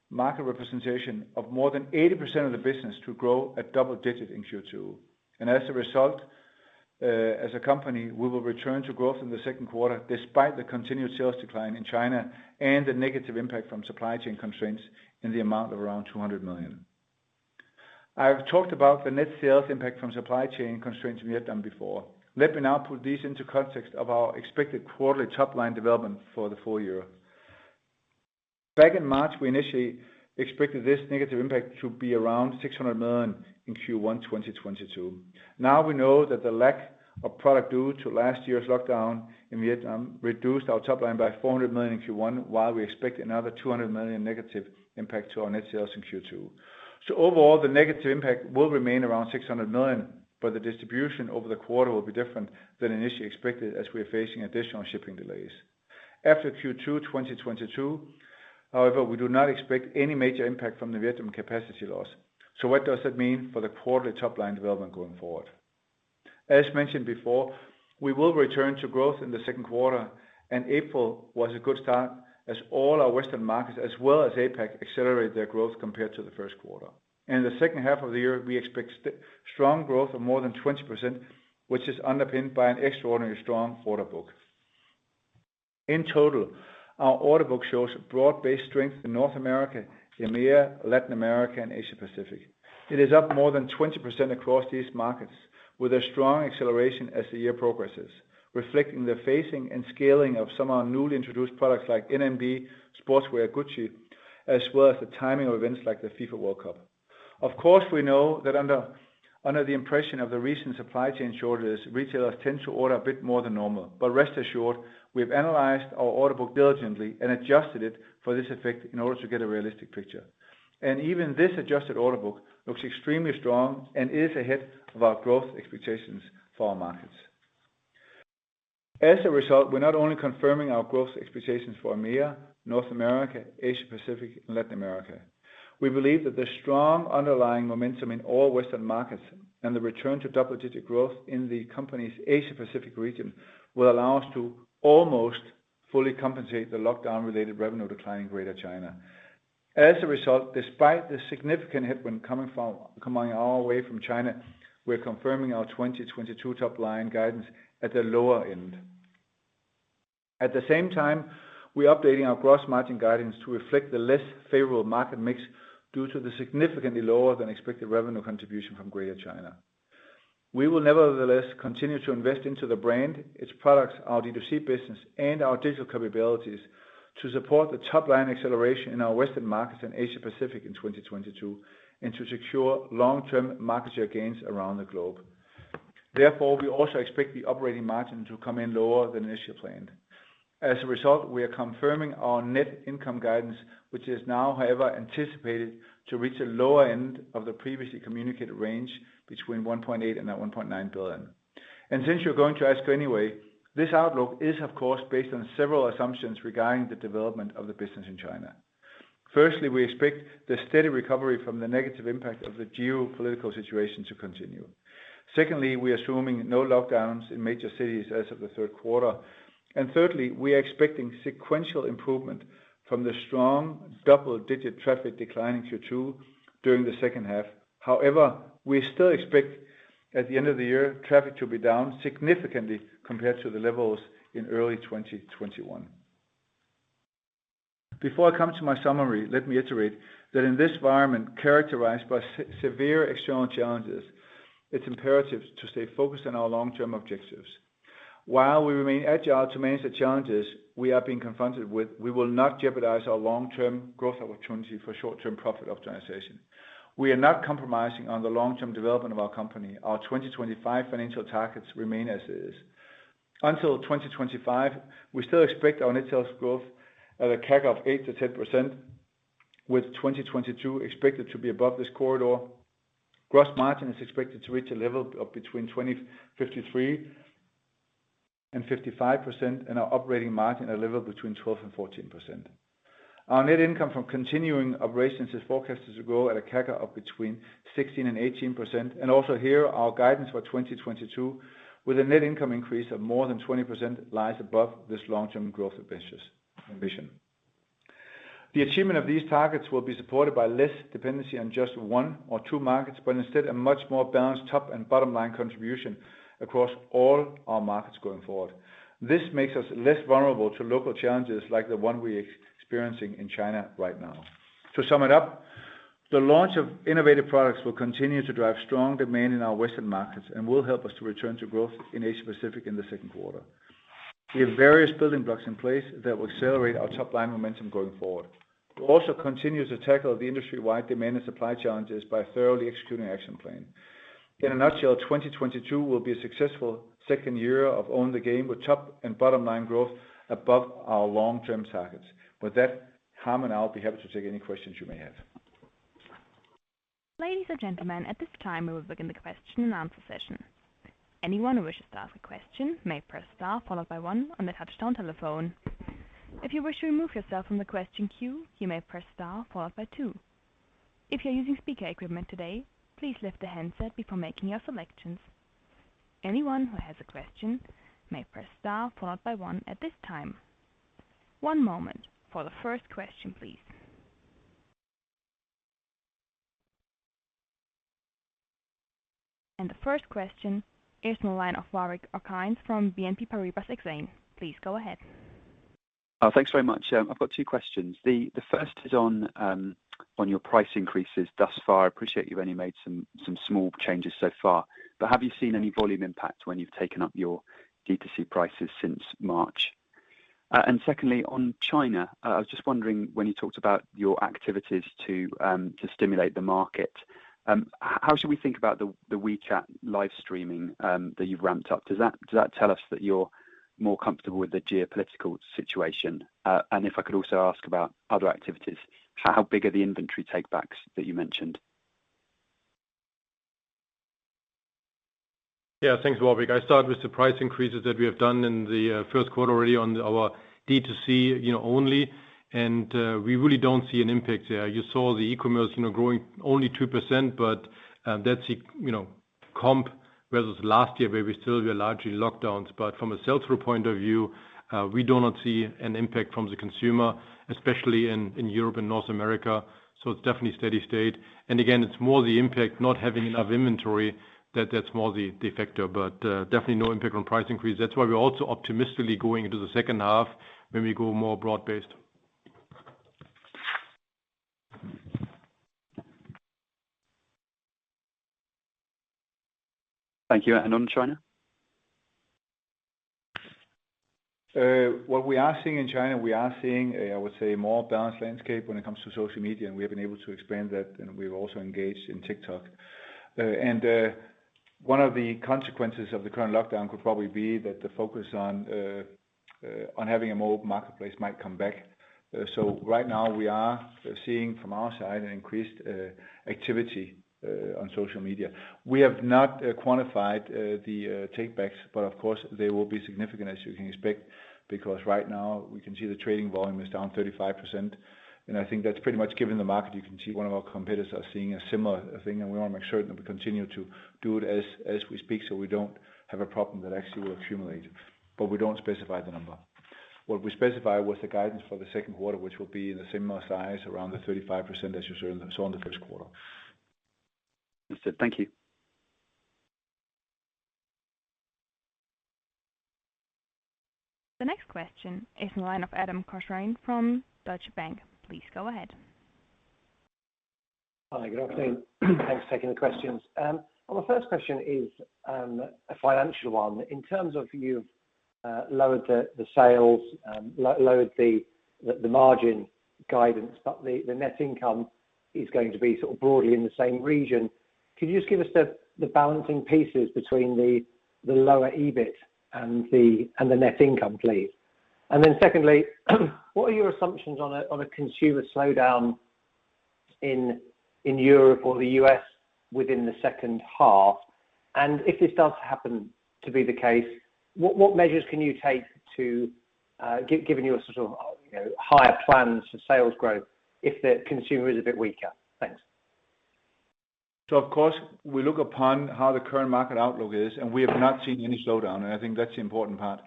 B: market representation of more than 80% of the business to grow at double digits in Q2. As a result, as a company, we will return to growth in the second quarter despite the continued sales decline in China and the negative impact from supply chain constraints in the amount of around 200 million. I've talked about the net sales impact from supply chain constraints we have discussed before. Let me now put this into context of our expected quarterly top line development for the full year. Back in March, we initially expected this negative impact to be around 600 million in Q1 2022. Now we know that the lack of product due to last year's lockdown in Vietnam reduced our top line by 400 million in Q1, while we expect another 200 million negative impact to our net sales in Q2. Overall, the negative impact will remain around 600 million, but the distribution over the quarter will be different than initially expected as we are facing additional shipping delays. After Q2 2022, however, we do not expect any major impact from the Vietnam capacity loss. What does that mean for the quarterly top line development going forward? As mentioned before, we will return to growth in the second quarter, and April was a good start as all our Western markets as well as APAC accelerate their growth compared to the first quarter. In the second half of the year, we expect strong growth of more than 20%, which is underpinned by an extraordinary strong order book. In total, our order book shows broad-based strength in North America, EMEA, Latin America, and Asia Pacific. It is up more than 20% across these markets with a strong acceleration as the year progresses, reflecting the phasing and scaling of some of our newly introduced products like NMD, Sportswear, Gucci, as well as the timing of events like the FIFA World Cup. Of course, we know that under the impression of the recent supply chain shortages, retailers tend to order a bit more than normal. Rest assured, we've analyzed our order book diligently and adjusted it for this effect in order to get a realistic picture. Even this adjusted order book looks extremely strong and is ahead of our growth expectations for our markets. As a result, we're not only confirming our growth expectations for EMEA, North America, Asia Pacific, and Latin America. We believe that the strong underlying momentum in all Western markets and the return to double-digit growth in the company's Asia Pacific region will allow us to almost fully compensate the lockdown-related revenue decline in Greater China. As a result, despite the significant headwind coming our way from China, we're confirming our 2022 top line guidance at the lower end. At the same time, we're updating our gross margin guidance to reflect the less favorable market mix due to the significantly lower than expected revenue contribution from Greater China. We will nevertheless continue to invest into the brand, its products, our D2C business, and our digital capabilities to support the top line acceleration in our Western markets and Asia Pacific in 2022, and to secure long-term market share gains around the globe. Therefore, we also expect the operating margin to come in lower than initially planned. As a result, we are confirming our net income guidance, which is now, however, anticipated to reach a lower end of the previously communicated range between 1.8 billion and 1.9 billion. Since you're going to ask anyway, this outlook is of course, based on several assumptions regarding the development of the business in China. Firstly, we expect the steady recovery from the negative impact of the geopolitical situation to continue. Secondly, we are assuming no lockdowns in major cities as of the third quarter. Thirdly, we are expecting sequential improvement from the strong double-digit traffic decline in Q2 during the second half. However, we still expect at the end of the year, traffic to be down significantly compared to the levels in early 2021. Before I come to my summary, let me iterate that in this environment characterized by severe external challenges, it's imperative to stay focused on our long-term objectives. While we remain agile to manage the challenges we are being confronted with, we will not jeopardize our long-term growth opportunity for short-term profit optimization. We are not compromising on the long-term development of our company. Our 2025 financial targets remain as is. Until 2025, we still expect our net sales growth at a CAGR of 8%-10%, with 2022 expected to be above this corridor. Gross margin is expected to reach a level of between 53% and 55%, and our operating margin at a level between 12% and 14%. Our net income from continuing operations is forecasted to grow at a CAGR of between 16% and 18%. Also here, our guidance for 2022 with a net income increase of more than 20% lies above this long-term growth ambition. The achievement of these targets will be supported by less dependency on just one or two markets, but instead a much more balanced top and bottom line contribution across all our markets going forward. This makes us less vulnerable to local challenges like the one we're experiencing in China right now. To sum it up, the launch of innovative products will continue to drive strong demand in our Western markets and will help us to return to growth in Asia Pacific in the second quarter. We have various building blocks in place that will accelerate our top line momentum going forward. We also continue to tackle the industry-wide demand and supply challenges by thoroughly executing action plan. In a nutshell, 2022 will be a successful second year of Own the Game with top and bottom line growth above our long-term targets. With that, Harm and I'll be happy to take any questions you may have.
D: Ladies and gentlemen, at this time we will begin the question and answer session. Anyone who wishes to ask a question may press star followed by one on the touchtone telephone. If you wish to remove yourself from the question queue, you may press star followed by two. If you're using speaker equipment today, please lift the handset before making your selections. Anyone who has a question may press star followed by one at this time. One moment for the first question, please. The first question is on the line of Warwick Okines from BNP Paribas Exane. Please go ahead.
E: Thanks very much. I've got two questions. The first is on your price increases thus far. I appreciate you've only made some small changes so far, but have you seen any volume impact when you've taken up your D2C prices since March? Secondly, on China, I was just wondering when you talked about your activities to stimulate the market, how should we think about the WeChat live streaming that you've ramped up? Does that tell us that you're more comfortable with the geopolitical situation? If I could also ask about other activities. How big are the inventory take backs that you mentioned?
C: Yeah, thanks, Warwick. I start with the price increases that we have done in the first quarter already on our D2C, you know, only, and we really don't see an impact there. You saw the e-commerce, you know, growing only 2%, but that's it. You know, comp versus last year where we still were largely lockdowns. From a sell-through point of view, we do not see an impact from the consumer, especially in Europe and North America. It's definitely steady state. Again, it's more the impact, not having enough inventory that's more the factor, but definitely no impact on price increase. That's why we're also optimistically going into the second half when we go more broad-based.
E: Thank you. On China?
B: What we are seeing in China, we are seeing, I would say, more balanced landscape when it comes to social media, and we have been able to expand that, and we're also engaged in TikTok. One of the consequences of the current lockdown could probably be that the focus on having a more open marketplace might come back. Right now we are seeing from our side an increased activity on social media. We have not quantified the take backs, but of course they will be significant as you can expect, because right now we can see the trading volume is down 35%. I think that's pretty much given the market. You can see one of our competitors are seeing a similar thing, and we wanna make sure that we continue to do it as we speak, so we don't have a problem that actually will accumulate. We don't specify the number. What we specify was the guidance for the second quarter, which will be the similar size around the 35% as you saw in the first quarter.
E: Understood. Thank you.
D: The next question is in line of Adam Cochrane from Deutsche Bank. Please go ahead.
F: Hi. Good afternoon. Thanks for taking the questions. My first question is a financial one. In terms of you've lowered the sales, lowered the margin guidance, but the net income is going to be sort of broadly in the same region. Could you just give us the balancing pieces between the lower EBIT and the net income, please? Secondly, what are your assumptions on a consumer slowdown in Europe or the U.S. within the second half? If this does happen to be the case, what measures can you take, given your sort of, you know, higher plans for sales growth if the consumer is a bit weaker? Thanks.
B: Of course, we look upon how the current market outlook is, and we have not seen any slowdown, and I think that's the important part.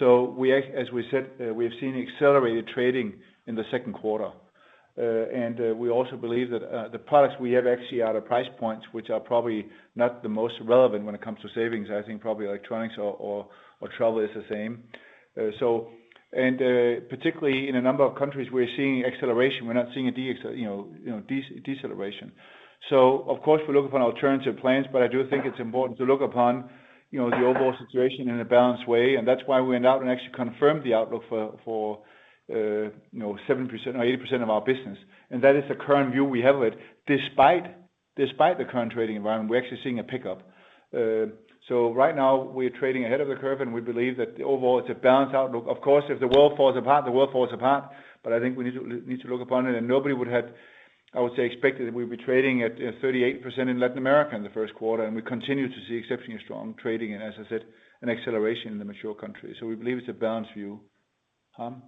B: As we said, we have seen accelerated trading in the second quarter. We also believe that the products we have actually are the price points which are probably not the most relevant when it comes to savings. I think probably electronics or travel is the same. Particularly in a number of countries, we're seeing acceleration. We're not seeing a deceleration. Of course, we look upon alternative plans, but I do think it's important to look upon the overall situation in a balanced way, and that's why we went out and actually confirmed the outlook for 7% or 8% of our business. That is the current view we have of it. Despite the current trading environment, we're actually seeing a pickup. Right now we're trading ahead of the curve, and we believe that overall it's a balanced outlook. Of course, if the world falls apart, the world falls apart. I think we need to need to look upon it and nobody would have, I would say, expected that we'd be trading at 38% in Latin America in the first quarter. And we continue to see exceptionally strong trading and as I said, an acceleration in the mature countries. We believe it's a balanced view. Harm?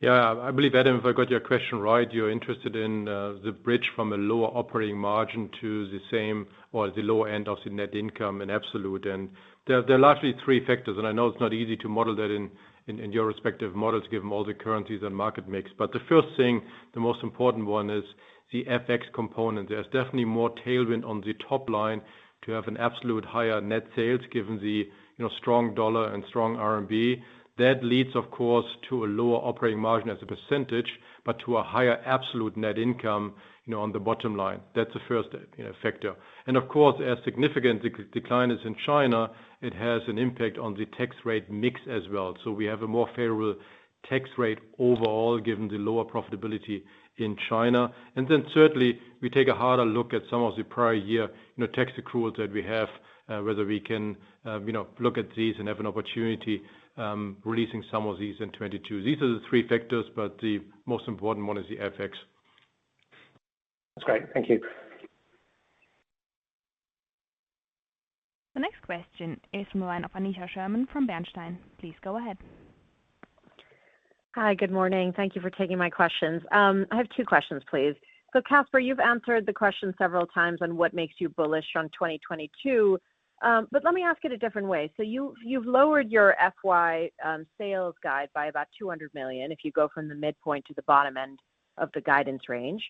C: Yeah. I believe, Adam, if I got your question right, you're interested in the bridge from a lower operating margin to the same or the lower end of the net income in absolute. There are largely three factors, and I know it's not easy to model that in your respective models given all the currencies and market mix. The first thing, the most important one is the FX component. There's definitely more tailwind on the top line to have an absolute higher net sales given the, you know, strong dollar and strong RMB. That leads of course to a lower operating margin as a percentage, but to a higher absolute net income, you know, on the bottom line. That's the first, you know, factor. Of course a significant decline in China. It has an impact on the tax rate mix as well. We have a more favorable tax rate overall given the lower profitability in China. Certainly we take a harder look at some of the prior year, you know, tax accruals that we have, whether we can, you know, look at these and have an opportunity, releasing some of these in 2022. These are the three factors, but the most important one is the FX.
F: That's great. Thank you.
D: The next question is from the line of Aneesha Sherman from Bernstein. Please go ahead.
G: Hi, good morning. Thank you for taking my questions. I have two questions, please. Kasper, you've answered the question several times on what makes you bullish on 2022, but let me ask it a different way. You've lowered your FY sales guide by about 200 million if you go from the midpoint to the bottom end of the guidance range.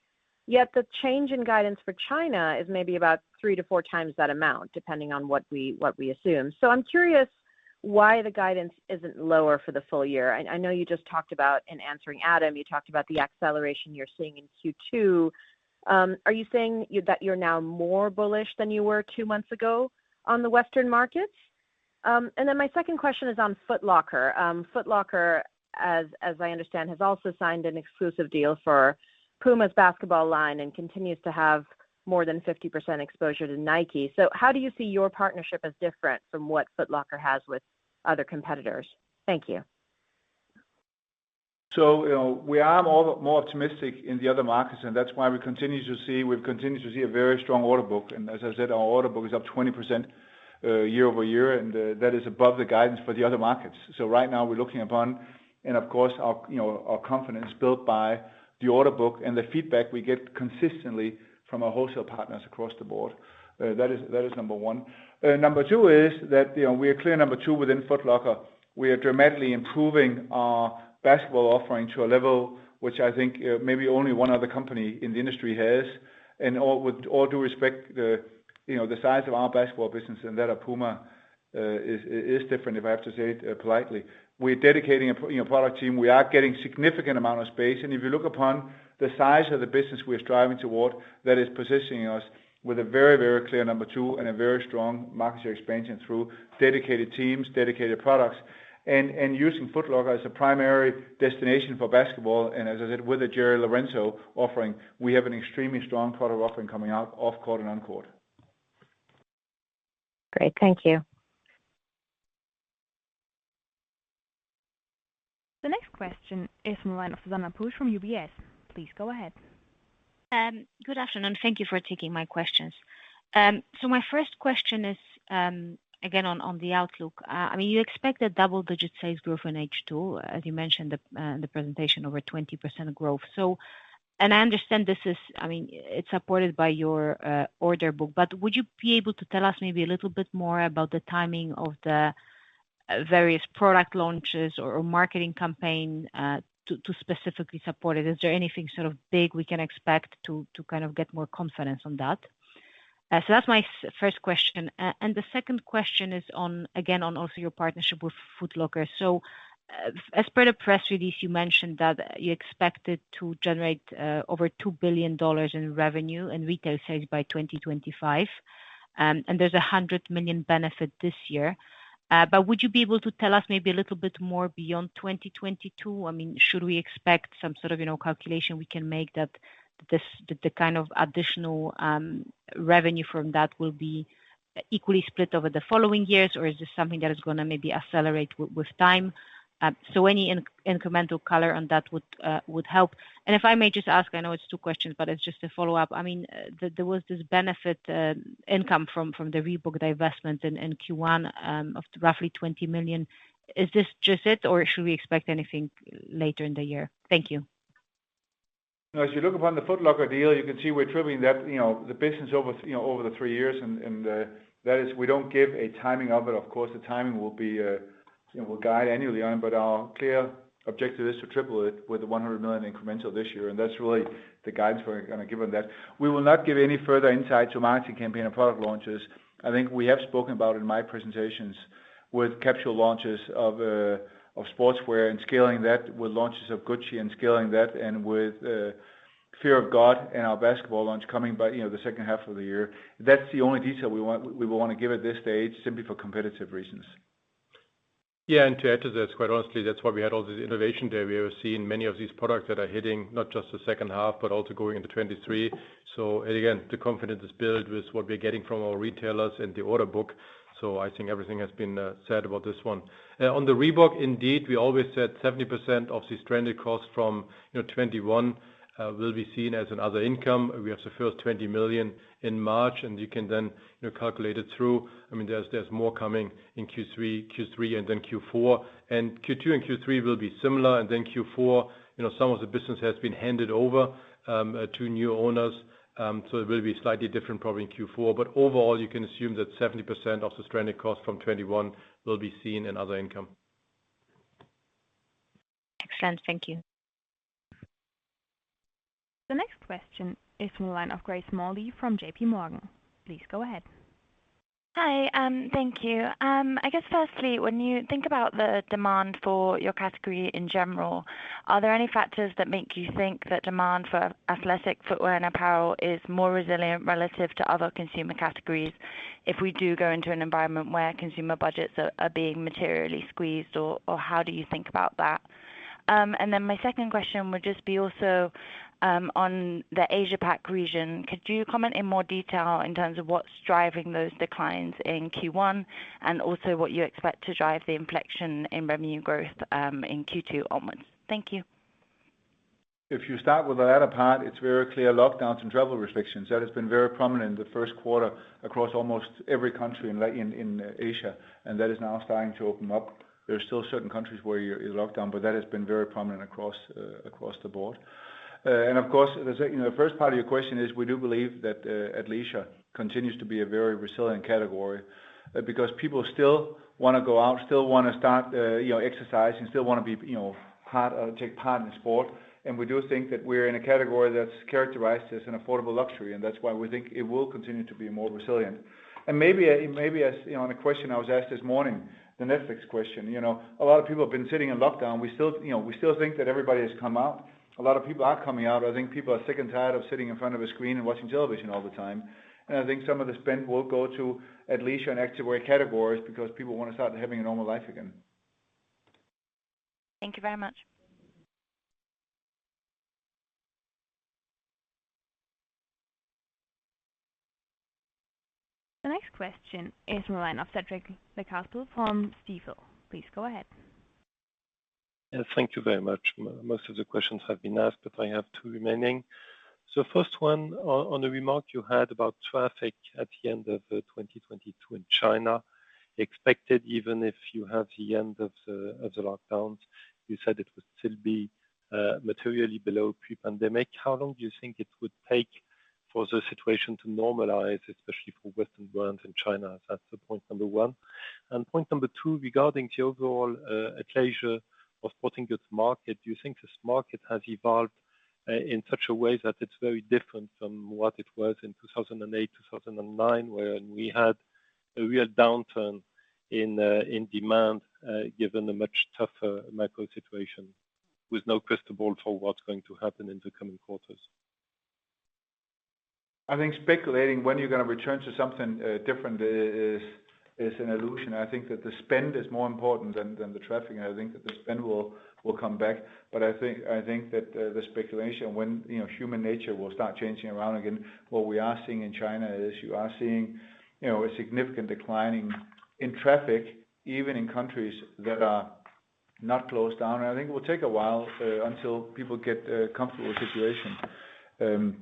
G: The change in guidance for China is maybe about three to four times that amount, depending on what we assume. I'm curious why the guidance isn't lower for the full year. I know you just talked about, in answering Adam, you talked about the acceleration you're seeing in Q2. Are you saying that you're now more bullish than you were two months ago on the Western markets? My second question is on Foot Locker. Foot Locker, as I understand, has also signed an exclusive deal for PUMA's basketball line and continues to have more than 50% exposure to Nike. How do you see your partnership as different from what Foot Locker has with other competitors? Thank you.
B: You know, we are more optimistic in the other markets, and that's why we continue to see, we've continued to see a very strong order book. As I said, our order book is up 20%, year-over-year, and that is above the guidance for the other markets. Right now we're looking upon and of course, our, you know, our confidence built by the order book and the feedback we get consistently from our wholesale partners across the board. That is number one. Number two is that, you know, we are clear number two within Foot Locker. We are dramatically improving our basketball offering to a level which I think, maybe only one other company in the industry has. With all due respect, you know, the size of our basketball business and that of PUMA is different, if I have to say it politely. We're dedicating a, you know, product team. We are getting significant amount of space. If you look upon the size of the business we are striving toward, that is positioning us with a very clear number two and a very strong market share expansion through dedicated teams, dedicated products, and using Foot Locker as a primary destination for basketball. As I said, with the Jerry Lorenzo offering, we have an extremely strong product offering coming out off court and on court.
G: Great. Thank you.
D: The next question is from the line of Zuzanna Pusz from UBS. Please go ahead.
H: Good afternoon. Thank you for taking my questions. So my first question is, again on the outlook. I mean, you expect a double-digit sales growth in H2, as you mentioned the presentation over 20% growth. And I understand this is. I mean, it's supported by your order book. But would you be able to tell us maybe a little bit more about the timing of the various product launches or marketing campaign, to specifically support it? Is there anything sort of big we can expect to get more confidence on that? So that's my first question. And the second question is again on your partnership with Foot Locker. As per the press release, you mentioned that you expected to generate over $2 billion in revenue and retail sales by 2025. There's a $100 million benefit this year. Would you be able to tell us maybe a little bit more beyond 2022? I mean, should we expect some sort of, you know, calculation we can make that this, the kind of additional revenue from that will be equally split over the following years? Or is this something that is gonna maybe accelerate with time? Any incremental color on that would help. If I may just ask, I know it's two questions, but it's just a follow-up. I mean, there was this benefit income from the Reebok divestment in Q1 of roughly $20 million. Is this just it, or should we expect anything later in the year? Thank you.
B: As you look upon the Foot Locker deal, you can see we're tripling that, you know, the business over, you know, over the three years. That is, we don't give a timing of it. Of course, the timing will be, you know, we'll guide annually on, but our clear objective is to triple it with the 100 million incremental this year. That's really the guidance we're gonna give on that. We will not give any further insight to marketing campaign and product launches. I think we have spoken about in my presentations with capsule launches of Sportswear and scaling that with launches of Gucci and scaling that and with Fear of God and our basketball launch coming by, you know, the second half of the year. That's the only detail we want, we wanna give at this stage, simply for competitive reasons.
C: To add to this, quite honestly, that's why we had all this innovation day. We have seen many of these products that are hitting not just the second half, but also going into 2023. Again, the confidence is built with what we're getting from our retailers and the order book. I think everything has been said about this one. On the Reebok, indeed, we always said 70% of these stranded costs from, you know, 2021, will be seen as other income.
B: We have the first 20 million in March, and you can then, you know, calculate it through. I mean, there's more coming in Q3 and then Q4. Q2 and Q3 will be similar. Then Q4, you know, some of the business has been handed over to new owners. It will be slightly different probably in Q4. Overall, you can assume that 70% of the stranded cost from 2021 will be seen in other income.
H: Excellent. Thank you.
D: The next question is from the line of Grace Smalley from JPMorgan. Please go ahead.
I: Hi. Thank you. I guess firstly, when you think about the demand for your category in general, are there any factors that make you think that demand for athletic footwear and apparel is more resilient relative to other consumer categories if we do go into an environment where consumer budgets are being materially squeezed? Or how do you think about that? My second question would just be also on the Asia Pac region. Could you comment in more detail in terms of what's driving those declines in Q1 and also what you expect to drive the inflection in revenue growth in Q2 onwards? Thank you.
B: If you start with the latter part, it's very clear lockdowns and travel restrictions. That has been very prominent in the first quarter across almost every country in Asia, and that is now starting to open up. There are still certain countries where you're in lockdown, but that has been very prominent across the board. Of course, you know, the first part of your question is we do believe that athleisure continues to be a very resilient category, because people still wanna go out, still wanna start, you know, exercise and still wanna be, you know, take part in sport. We do think that we're in a category that's characterized as an affordable luxury, and that's why we think it will continue to be more resilient. Maybe, maybe as, you know, on a question I was asked this morning, the Netflix question, you know. A lot of people have been sitting in lockdown. We still, you know, we still think that everybody has come out. A lot of people are coming out. I think people are sick and tired of sitting in front of a screen and watching television all the time. I think some of the spend will go to athleisure and activewear categories because people wanna start having a normal life again.
D: Thank you very much. The next question is in the line of Cedric Lecasble from Stifel. Please go ahead.
J: Yeah, thank you very much. Most of the questions have been asked, but I have two remaining. First one, on the remark you had about traffic at the end of 2022 in China, expected even if you have the end of the lockdowns, you said it would still be materially below pre-pandemic. How long do you think it would take for the situation to normalize, especially for Western brands in China? That's the point number one. And point number two, regarding the overall athleisure of sporting goods market, do you think this market has evolved in such a way that it's very different from what it was in 2008, 2009, when we had a real downturn in demand, given the much tougher macro situation, with no crystal ball for what's going to happen in the coming quarters?
B: I think speculating when you're gonna return to something different is an illusion. I think that the spend is more important than the traffic, and I think that the spend will come back. I think that the speculation when you know human nature will start changing around again. What we are seeing in China is you are seeing a significant decline in traffic, even in countries that are not closed down. I think it will take a while until people get comfortable with the situation.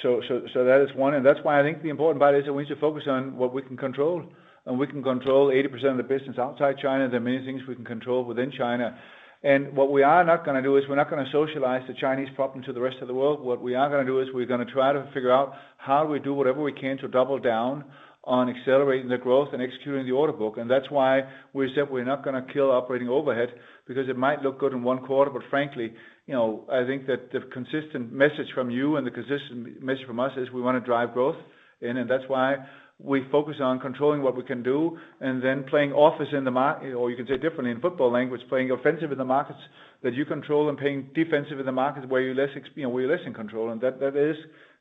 B: So that is one, and that's why I think the important part is that we need to focus on what we can control, and we can control 80% of the business outside China. There are many things we can control within China. What we are not gonna do is we're not gonna socialize the Chinese problem to the rest of the world. What we are gonna do is we're gonna try to figure out how we do whatever we can to double down on accelerating the growth and executing the order book. That's why we said we're not gonna kill operating overhead because it might look good in one quarter, but frankly, you know, I think that the consistent message from you and the consistent message from us is we wanna drive growth, and then that's why we focus on controlling what we can do and then playing offense in the market or you can say differently in Football language, playing offensive in the markets that you control and playing defensive in the markets where you're less you know, where you're less in control. That is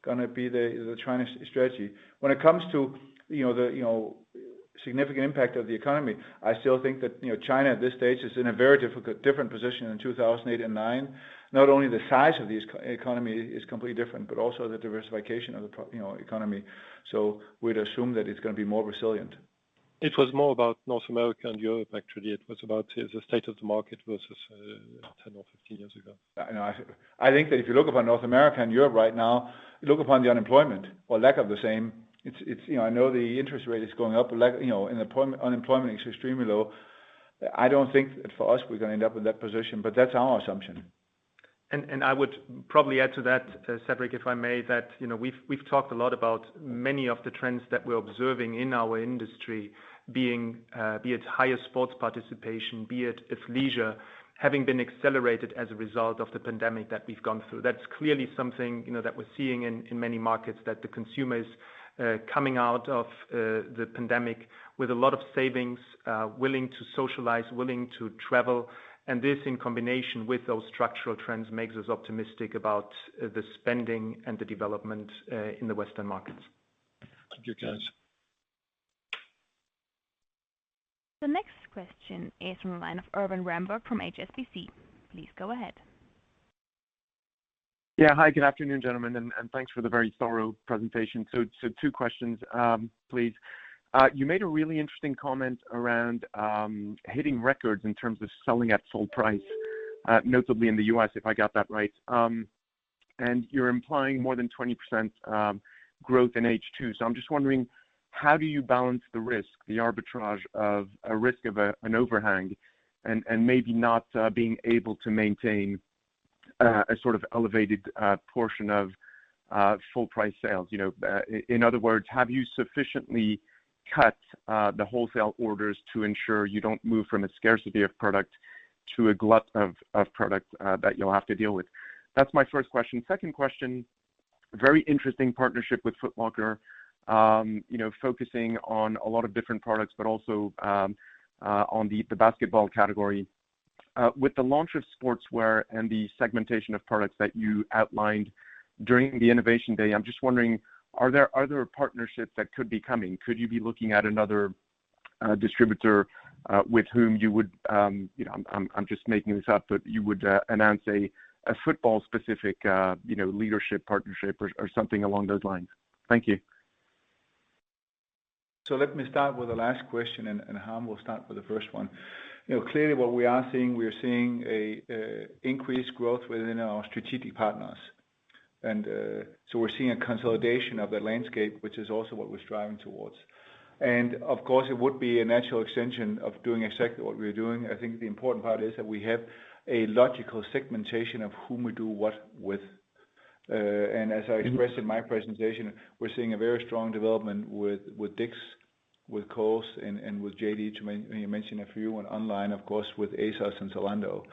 B: gonna be the China strategy. When it comes to, you know, the significant impact of the economy, I still think that, you know, China at this stage is in a very different position than 2008 and 2009. Not only the size of this economy is completely different, but also the diversification of the broader economy. We'd assume that it's gonna be more resilient.
J: It was more about North America and Europe, actually. It was about the state of the market versus 10 or 15 years ago.
B: I know. I think that if you look upon North America and Europe right now, look upon the unemployment or lack of the same. It's you know, I know the interest rate is going up, but you know, unemployment is extremely low. I don't think that for us, we're gonna end up in that position, but that's our assumption.
A: I would probably add to that, Cedric, if I may, that, you know, we've talked a lot about many of the trends that we're observing in our industry being, be it higher sports participation, be it athleisure, having been accelerated as a result of the pandemic that we've gone through. That's clearly something, you know, that we're seeing in many markets that the consumer is coming out of the pandemic with a lot of savings, willing to socialize, willing to travel. This, in combination with those structural trends, makes us optimistic about the spending and the development in the Western markets.
J: Thank you, guys.
D: The next question is from the line of Erwan Rambourg from HSBC. Please go ahead.
K: Hi, good afternoon, gentlemen, and thanks for the very thorough presentation. Two questions, please. You made a really interesting comment around hitting records in terms of selling at full price, notably in the U.S., if I got that right. You're implying more than 20% growth in H2. I'm just wondering, how do you balance the risk, the arbitrage of a risk of an overhang and maybe not being able to maintain a sort of elevated portion of full price sales, you know? In other words, have you sufficiently cut the wholesale orders to ensure you don't move from a scarcity of product to a glut of product that you'll have to deal with? That's my first question. Second question, very interesting partnership with Foot Locker, you know, focusing on a lot of different products, but also, on the basketball category. With the launch of Sportswear and the segmentation of products that you outlined during the Innovation Day, I'm just wondering, are there partnerships that could be coming? Could you be looking at another distributor, with whom you would, you know. I'm just making this up, but you would announce a Football specific, you know, leadership partnership or something along those lines. Thank you.
B: Let me start with the last question and Harm will start with the first one. You know, clearly what we are seeing, we are seeing an increased growth within our strategic partners. We're seeing a consolidation of the landscape, which is also what we're striving towards. Of course, it would be a natural extension of doing exactly what we are doing. I think the important part is that we have a logical segmentation of whom we do what with. As I expressed in my presentation, we're seeing a very strong development with DICK'S, with Kohl's and with JD to mention a few, and online of course, with ASOS and Zalando.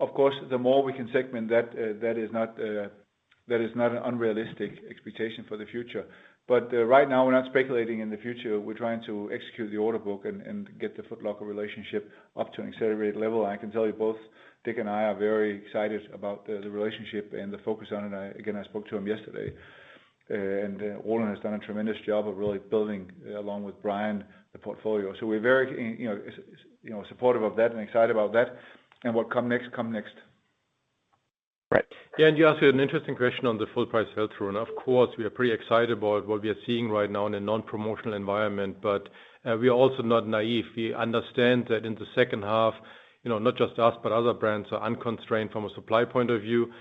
B: Of course, the more we can segment that is not an unrealistic expectation for the future. Right now we're not speculating in the future. We're trying to execute the order book and get the Foot Locker relationship up to an accelerated level. I can tell you both Dick and I are very excited about the relationship and the focus on it. Again, I spoke to him yesterday, and Roland has done a tremendous job of really building, along with Brian, the portfolio. We're very, you know, supportive of that and excited about that and what come next.
L: Right.
C: Yeah. You asked an interesting question on the full price sell-through. Of course, we are pretty excited about what we are seeing right now in a non-promotional environment. We are also not naive. We understand that in the second half, you know, not just us, but other brands are unconstrained from a supply point of view.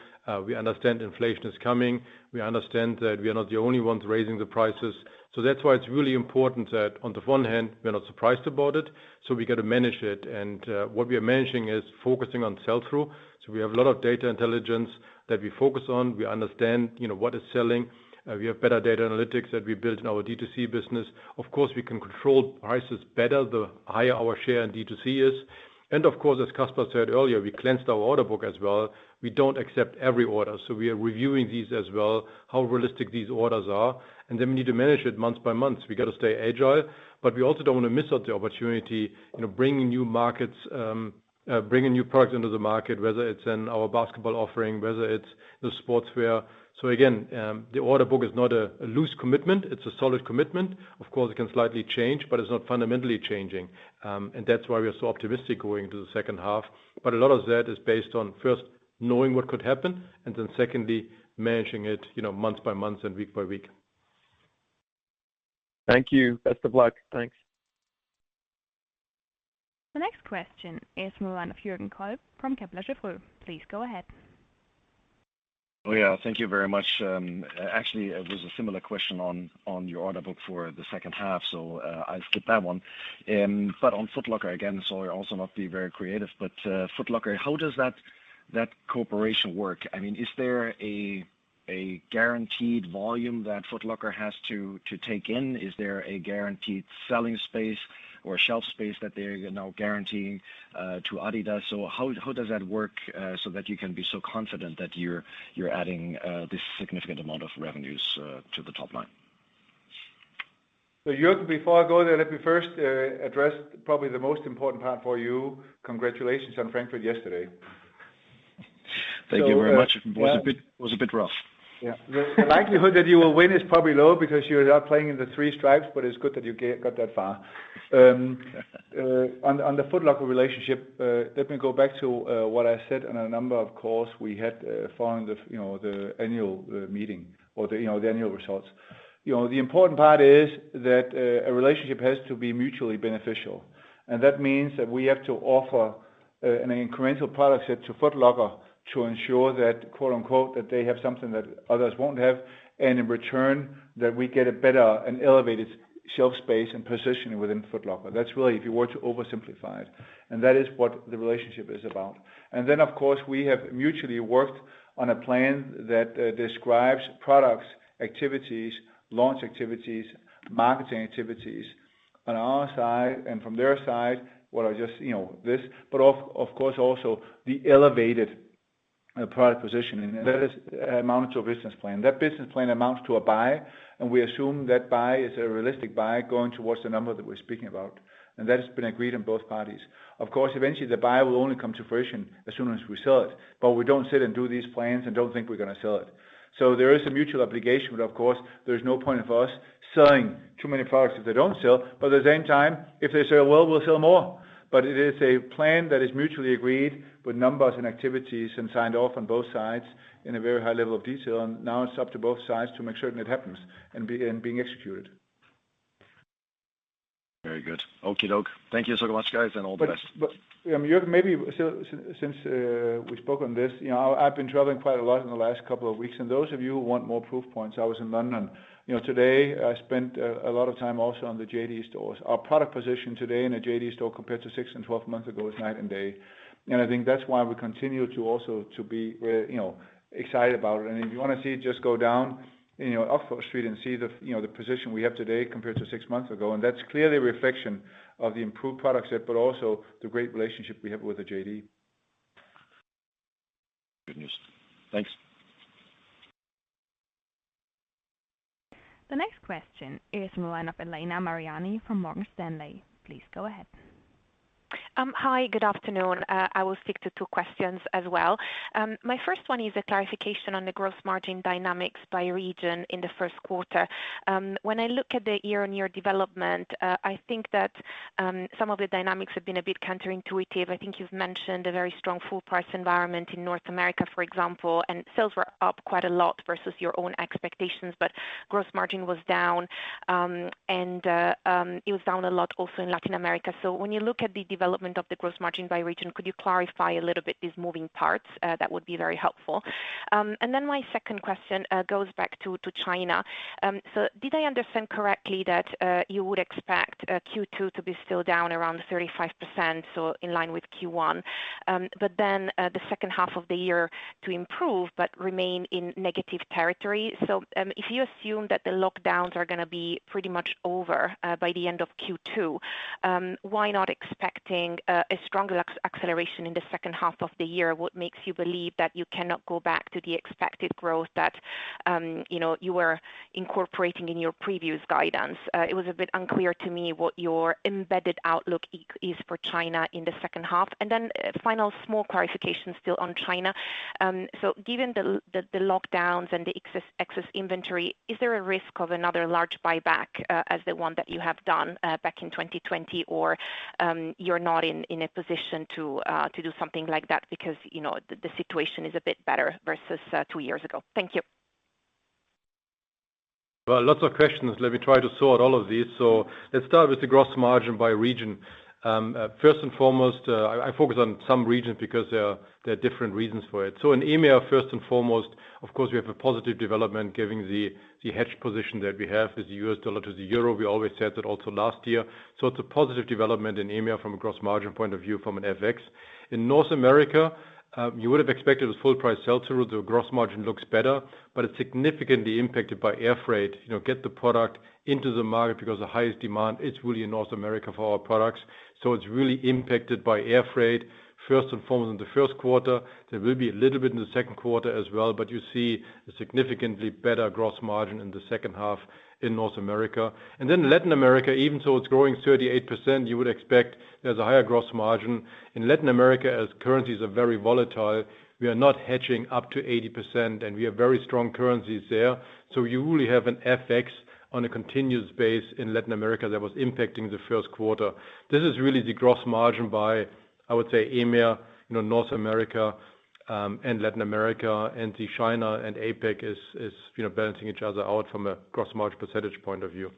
C: We understand inflation is coming. We understand that we are not the only ones raising the prices. That's why it's really important that on the one hand, we're not surprised about it, so we gotta manage it. What we are managing is focusing on sell-through. We have a lot of data intelligence that we focus on. We understand, you know, what is selling. We have better data analytics that we built in our D2C business. Of course, we can control prices better, the higher our share in D2C is. Of course, as Kasper said earlier, we cleansed our order book as well. We don't accept every order, so we are reviewing these as well, how realistic these orders are, and then we need to manage it month-by-month. We got to stay agile, but we also don't want to miss out the opportunity, you know, bringing new products into the market, whether it's in our basketball offering, whether it's the Sportswear. Again, the order book is not a loose commitment. It's a solid commitment. Of course, it can slightly change, but it's not fundamentally changing. That's why we are so optimistic going into the second half. A lot of that is based on first knowing what could happen, and then secondly, managing it, you know, month-by-month and week-by-week.
L: Thank you. Best of luck. Thanks.
D: The next question is from the line of Jürgen Kolb from Kepler Cheuvreux. Please go ahead.
L: Oh, yeah. Thank you very much. Actually it was a similar question on your order book for the second half, so I'll skip that one. On Foot Locker, again, sorry, also not to be very creative, but Foot Locker, how does that cooperation work? I mean, is there a guaranteed volume that Foot Locker has to take in? Is there a guaranteed selling space or shelf space that they're now guaranteeing to adidas? How does that work, so that you can be so confident that you're adding this significant amount of revenues to the top line?
B: Jürgen, before I go there, let me first address probably the most important part for you. Congratulations on Frankfurt yesterday.
L: Thank you very much.
B: Yeah.
L: It was a bit rough.
B: Yeah. The likelihood that you will win is probably low because you're not playing in the three stripes, but it's good that you got that far. On the Foot Locker relationship, let me go back to what I said on a number of calls we had following the, you know, the annual meeting or the, you know, the annual results. You know, the important part is that a relationship has to be mutually beneficial, and that means that we have to offer an incremental product set to Foot Locker to ensure that, quote unquote, "That they have something that others won't have." In return that we get a better and elevated shelf space and positioning within Foot Locker. That's really if you were to oversimplify it, and that is what the relationship is about. Of course, we have mutually worked on a plan that describes products, activities, launch activities, marketing activities on our side and from their side. Of course also the elevated product positioning. That amounts to a business plan. That business plan amounts to a buy, and we assume that buy is a realistic buy going towards the number that we're speaking about. That has been agreed on both parties. Of course, eventually the buy will only come to fruition as soon as we sell it, but we don't sit and do these plans and don't think we're gonna sell it. There is a mutual obligation, but of course, there's no point of us selling too many products that they don't sell, but at the same time, if they sell well, we'll sell more. It is a plan that is mutually agreed with numbers and activities and signed off on both sides in a very high level of detail, and now it's up to both sides to make certain it happens and being executed.
L: Very good. Okie doke. Thank you so much guys, and all the best.
B: Jürgen, maybe since we spoke on this, you know, I've been traveling quite a lot in the last couple of weeks, and those of you who want more proof points, I was in London. You know, today I spent a lot of time also on the JD stores. Our product position today in a JD store compared to six and 12 months ago is night and day. I think that's why we continue also to be, you know, excited about it. If you want to see it, just go down, you know, Oxford Street and see the, you know, the position we have today compared to six months ago. That's clearly a reflection of the improved product set, but also the great relationship we have with the JD.
L: Good news. Thanks.
D: The next question is from the line of Elena Mariani from Morgan Stanley. Please go ahead.
M: Hi, good afternoon. I will stick to two questions as well. My first one is a clarification on the gross margin dynamics by region in the first quarter. When I look at the year-on-year development, I think that some of the dynamics have been a bit counterintuitive. I think you've mentioned a very strong full price environment in North America, for example, and sales were up quite a lot versus your own expectations, but gross margin was down, and it was down a lot also in Latin America. When you look at the development of the gross margin by region, could you clarify a little bit these moving parts? That would be very helpful. My second question goes back to China. Did I understand correctly that you would expect Q2 to be still down around 35%, so in line with Q1, but then the second half of the year to improve but remain in negative territory? If you assume that the lockdowns are gonna be pretty much over by the end of Q2, why not expecting a stronger acceleration in the second half of the year? What makes you believe that you cannot go back to the expected growth that you know you were incorporating in your previous guidance? It was a bit unclear to me what your embedded outlook is for China in the second half. Then final small clarification still on China. Given the lockdowns and the excess inventory, is there a risk of another large buyback as the one that you have done back in 2020? Or you're not in a position to do something like that because, you know, the situation is a bit better versus two years ago. Thank you.
C: Well, lots of questions. Let me try to sort all of these. Let's start with the gross margin by region. First and foremost, I focus on some regions because there are different reasons for it. In EMEA, first and foremost, of course, we have a positive development given the hedge position that we have with the US dollar to the euro. We always said that also last year. It's a positive development in EMEA from a gross margin point of view from an FX. In North America, you would have expected a full price sell-through. The gross margin looks better, but it's significantly impacted by air freight. You know, get the product into the market because the highest demand is really in North America for our products. It's really impacted by air freight, first and foremost in the first quarter. There will be a little bit in the second quarter as well, but you see a significantly better gross margin in the second half in North America. Latin America, even though it's growing 38%, you would expect there's a higher gross margin. In Latin America as currencies are very volatile, we are not hedging up to 80%, and we have very strong currencies there. You really have an FX on a continuous base in Latin America that was impacting the first quarter. This is really the gross margin by, I would say, EMEA, you know, North America, and Latin America, and the China and APAC is, you know, balancing each other out from a gross margin percentage point of view.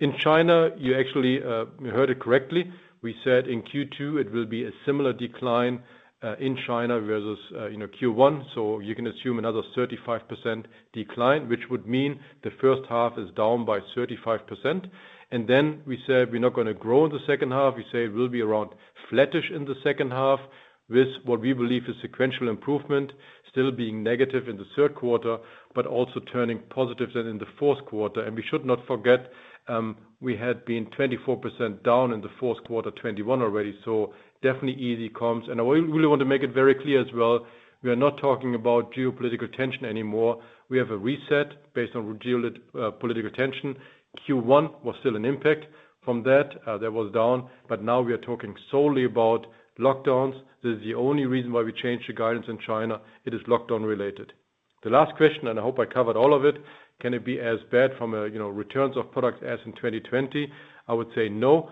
C: In China, you actually, you heard it correctly. We said in Q2 it will be a similar decline in China versus you know Q1. You can assume another 35% decline, which would mean the first half is down by 35%. We said we're not gonna grow in the second half. We say it will be around flattish in the second half with what we believe is sequential improvement, still being negative in the third quarter, but also turning positive then in the fourth quarter. We should not forget we had been 24% down in the fourth quarter 2021 already, so definitely easy comps. I really want to make it very clear as well, we are not talking about geopolitical tension anymore. We have a reset based on geopolitical tension. Q1 was still an impact from that that was down, but now we are talking solely about lockdowns. This is the only reason why we changed the guidance in China. It is lockdown related. The last question, and I hope I covered all of it. Can it be as bad from a, you know, returns of products as in 2020? I would say no.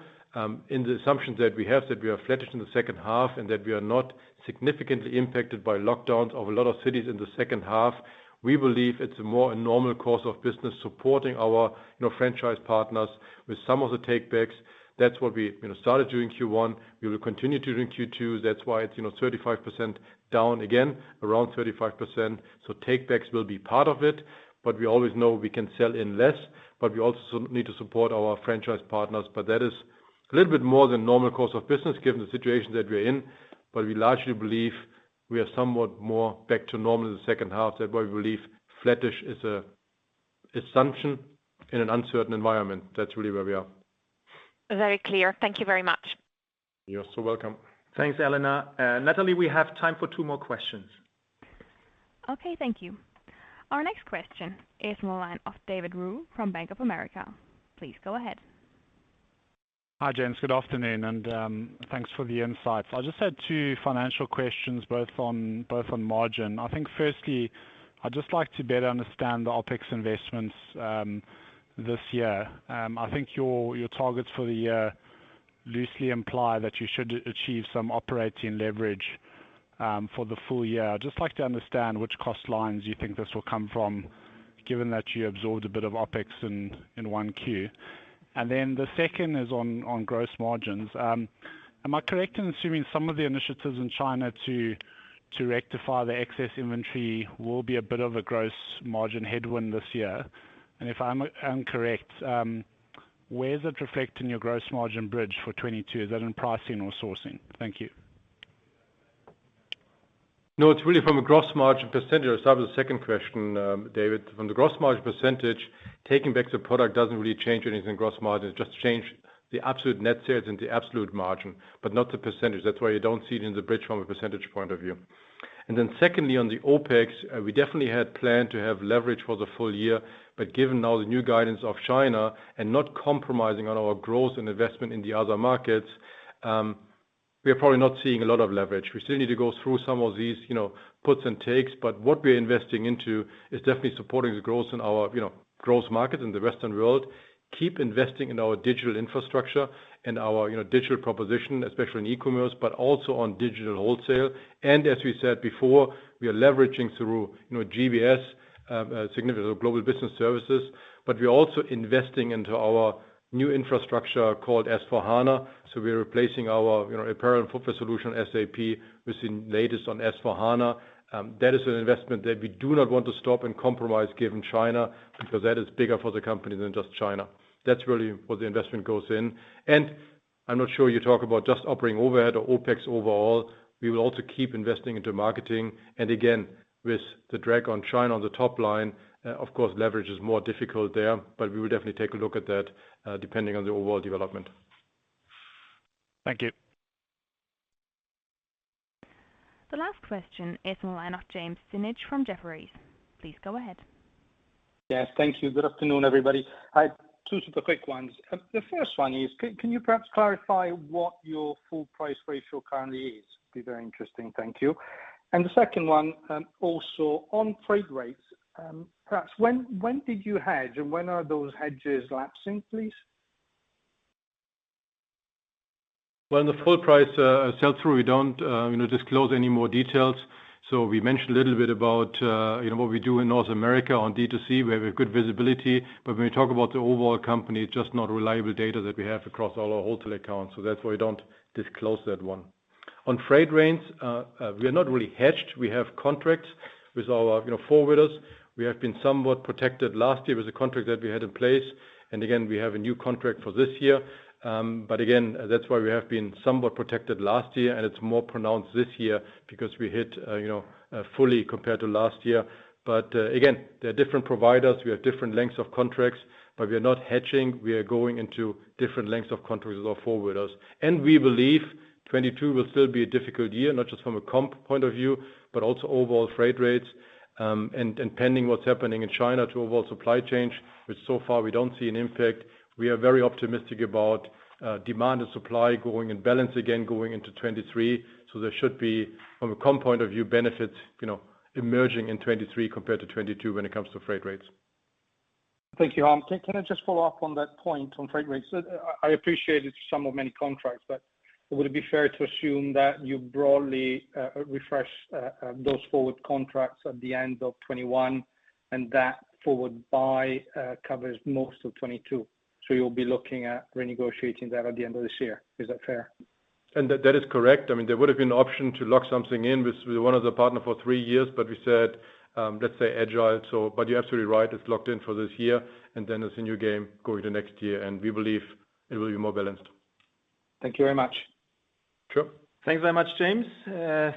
C: In the assumptions that we have, that we are flattish in the second half and that we are not significantly impacted by lockdowns of a lot of cities in the second half, we believe it's more a normal course of business supporting our, you know, franchise partners with some of the takebacks. That's what we, you know, started doing Q1. We will continue to do in Q2. That's why it's, you know, 35% down again, around 35%. Takebacks will be part of it, but we always know we can sell in less, but we also need to support our franchise partners. That is a little bit more than normal course of business given the situation that we're in. We largely believe we are somewhat more back to normal in the second half. That's why we believe flattish is an assumption in an uncertain environment. That's really where we are.
M: Very clear. Thank you very much.
C: You're so welcome.
A: Thanks, Elena. Natalie, we have time for two more questions.
D: Okay, thank you. Our next question is on the line of David Roux from Bank of America. Please go ahead.
N: Hi, Gents. Good afternoon, and thanks for the insights. I just had two financial questions, both on margin. I think firstly, I'd just like to better understand the OpEx investments this year. I think your targets for the year loosely imply that you should achieve some operating leverage for the full year. I'd just like to understand which cost lines you think this will come from, given that you absorbed a bit of OpEx in one Q. The second is on gross margins. Am I correct in assuming some of the initiatives in China to rectify the excess inventory will be a bit of a gross margin headwind this year? If I'm correct, where is it reflecting your gross margin bridge for 2022? Is that in pricing or sourcing? Thank you.
C: No, it's really from a gross margin percentage. I'll start with the second question, David. From the gross margin percentage, taking back the product doesn't really change anything in gross margin. It just change the absolute net sales and the absolute margin, but not the percentage. That's why you don't see it in the bridge from a percentage point of view. Then secondly, on the OpEx, we definitely had planned to have leverage for the full year, but given now the new guidance of China and not compromising on our growth and investment in the other markets, we are probably not seeing a lot of leverage. We still need to go through some of these, you know, puts and takes, but what we're investing into is definitely supporting the growth in our, you know, growth market in the Western world. Keep investing in our digital infrastructure and our, you know, digital proposition, especially in e-commerce, but also on digital wholesale. As we said before, we are leveraging through, you know, GBS, significant global business services. We're also investing into our new infrastructure called S/4HANA. We're replacing our, you know, apparel and footwear solution, SAP, with the latest on S/4HANA. That is an investment that we do not want to stop and compromise given China, because that is bigger for the company than just China. That's really where the investment goes in. I'm not sure you talk about just operating overhead or OpEx overall. We will also keep investing into marketing. Again, with the drag on China on the top line, of course, leverage is more difficult there, but we will definitely take a look at that, depending on the overall development.
O: Thank you.
D: The last question is on the line of James Grzinic from Jefferies. Please go ahead.
P: Yes. Thank you. Good afternoon, everybody. I have two super quick ones. The first one is, can you perhaps clarify what your full price ratio currently is? Be very interesting. Thank you. The second one, also on freight rates, perhaps when did you hedge, and when are those hedges lapsing, please?
C: Well, in the full price, sell through, we don't, you know, disclose any more details. We mentioned a little bit about, you know, what we do in North America on D2C. We have a good visibility. When we talk about the overall company, it's just not reliable data that we have across all our wholesale accounts, so that's why we don't disclose that one. On freight rates, we are not really hedged. We have contracts with our, you know, forwarders. We have been somewhat protected. Last year was a contract that we had in place. Again, we have a new contract for this year. Again, that's why we have been somewhat protected last year, and it's more pronounced this year because we hit, you know, fully compared to last year. Again, there are different providers. We have different lengths of contracts, but we are not hedging. We are going into different lengths of contracts with our forwarders. We believe 2022 will still be a difficult year, not just from a comp point of view, but also overall freight rates, and pending what's happening in China to overall supply chain, which so far we don't see an impact. We are very optimistic about demand and supply going in balance again going into 2023. There should be, from a comp point of view, benefits, you know, emerging in 2023 compared to 2022 when it comes to freight rates.
P: Thank you. Harm, can I just follow up on that point on freight rates? I appreciated some of many contracts, but would it be fair to assume that you broadly refresh those forward contracts at the end of 2021 and that forward buy covers most of 2022? You'll be looking at renegotiating that at the end of this year. Is that fair?
C: That is correct. I mean, there would have been an option to lock something in with one of the partners for three years, but we said, let's stay agile. You're absolutely right, it's locked in for this year, and then it's a new game going into next year, and we believe it will be more balanced.
P: Thank you very much.
C: Sure.
A: Thanks very much, James.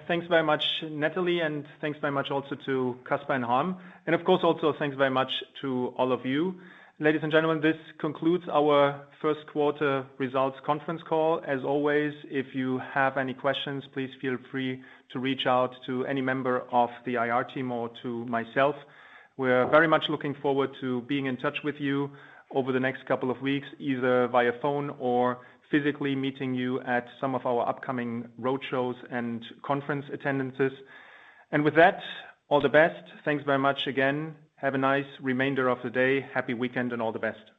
A: Thanks very much, Natalie. Thanks very much also to Kasper and Harm. Of course, also thanks very much to all of you. Ladies and gentlemen, this concludes our first quarter results conference call. As always, if you have any questions, please feel free to reach out to any member of the IR team or to myself. We're very much looking forward to being in touch with you over the next couple of weeks, either via phone or physically meeting you at some of our upcoming roadshows and conference attendances. With that, all the best. Thanks very much again. Have a nice remainder of the day. Happy weekend and all the best.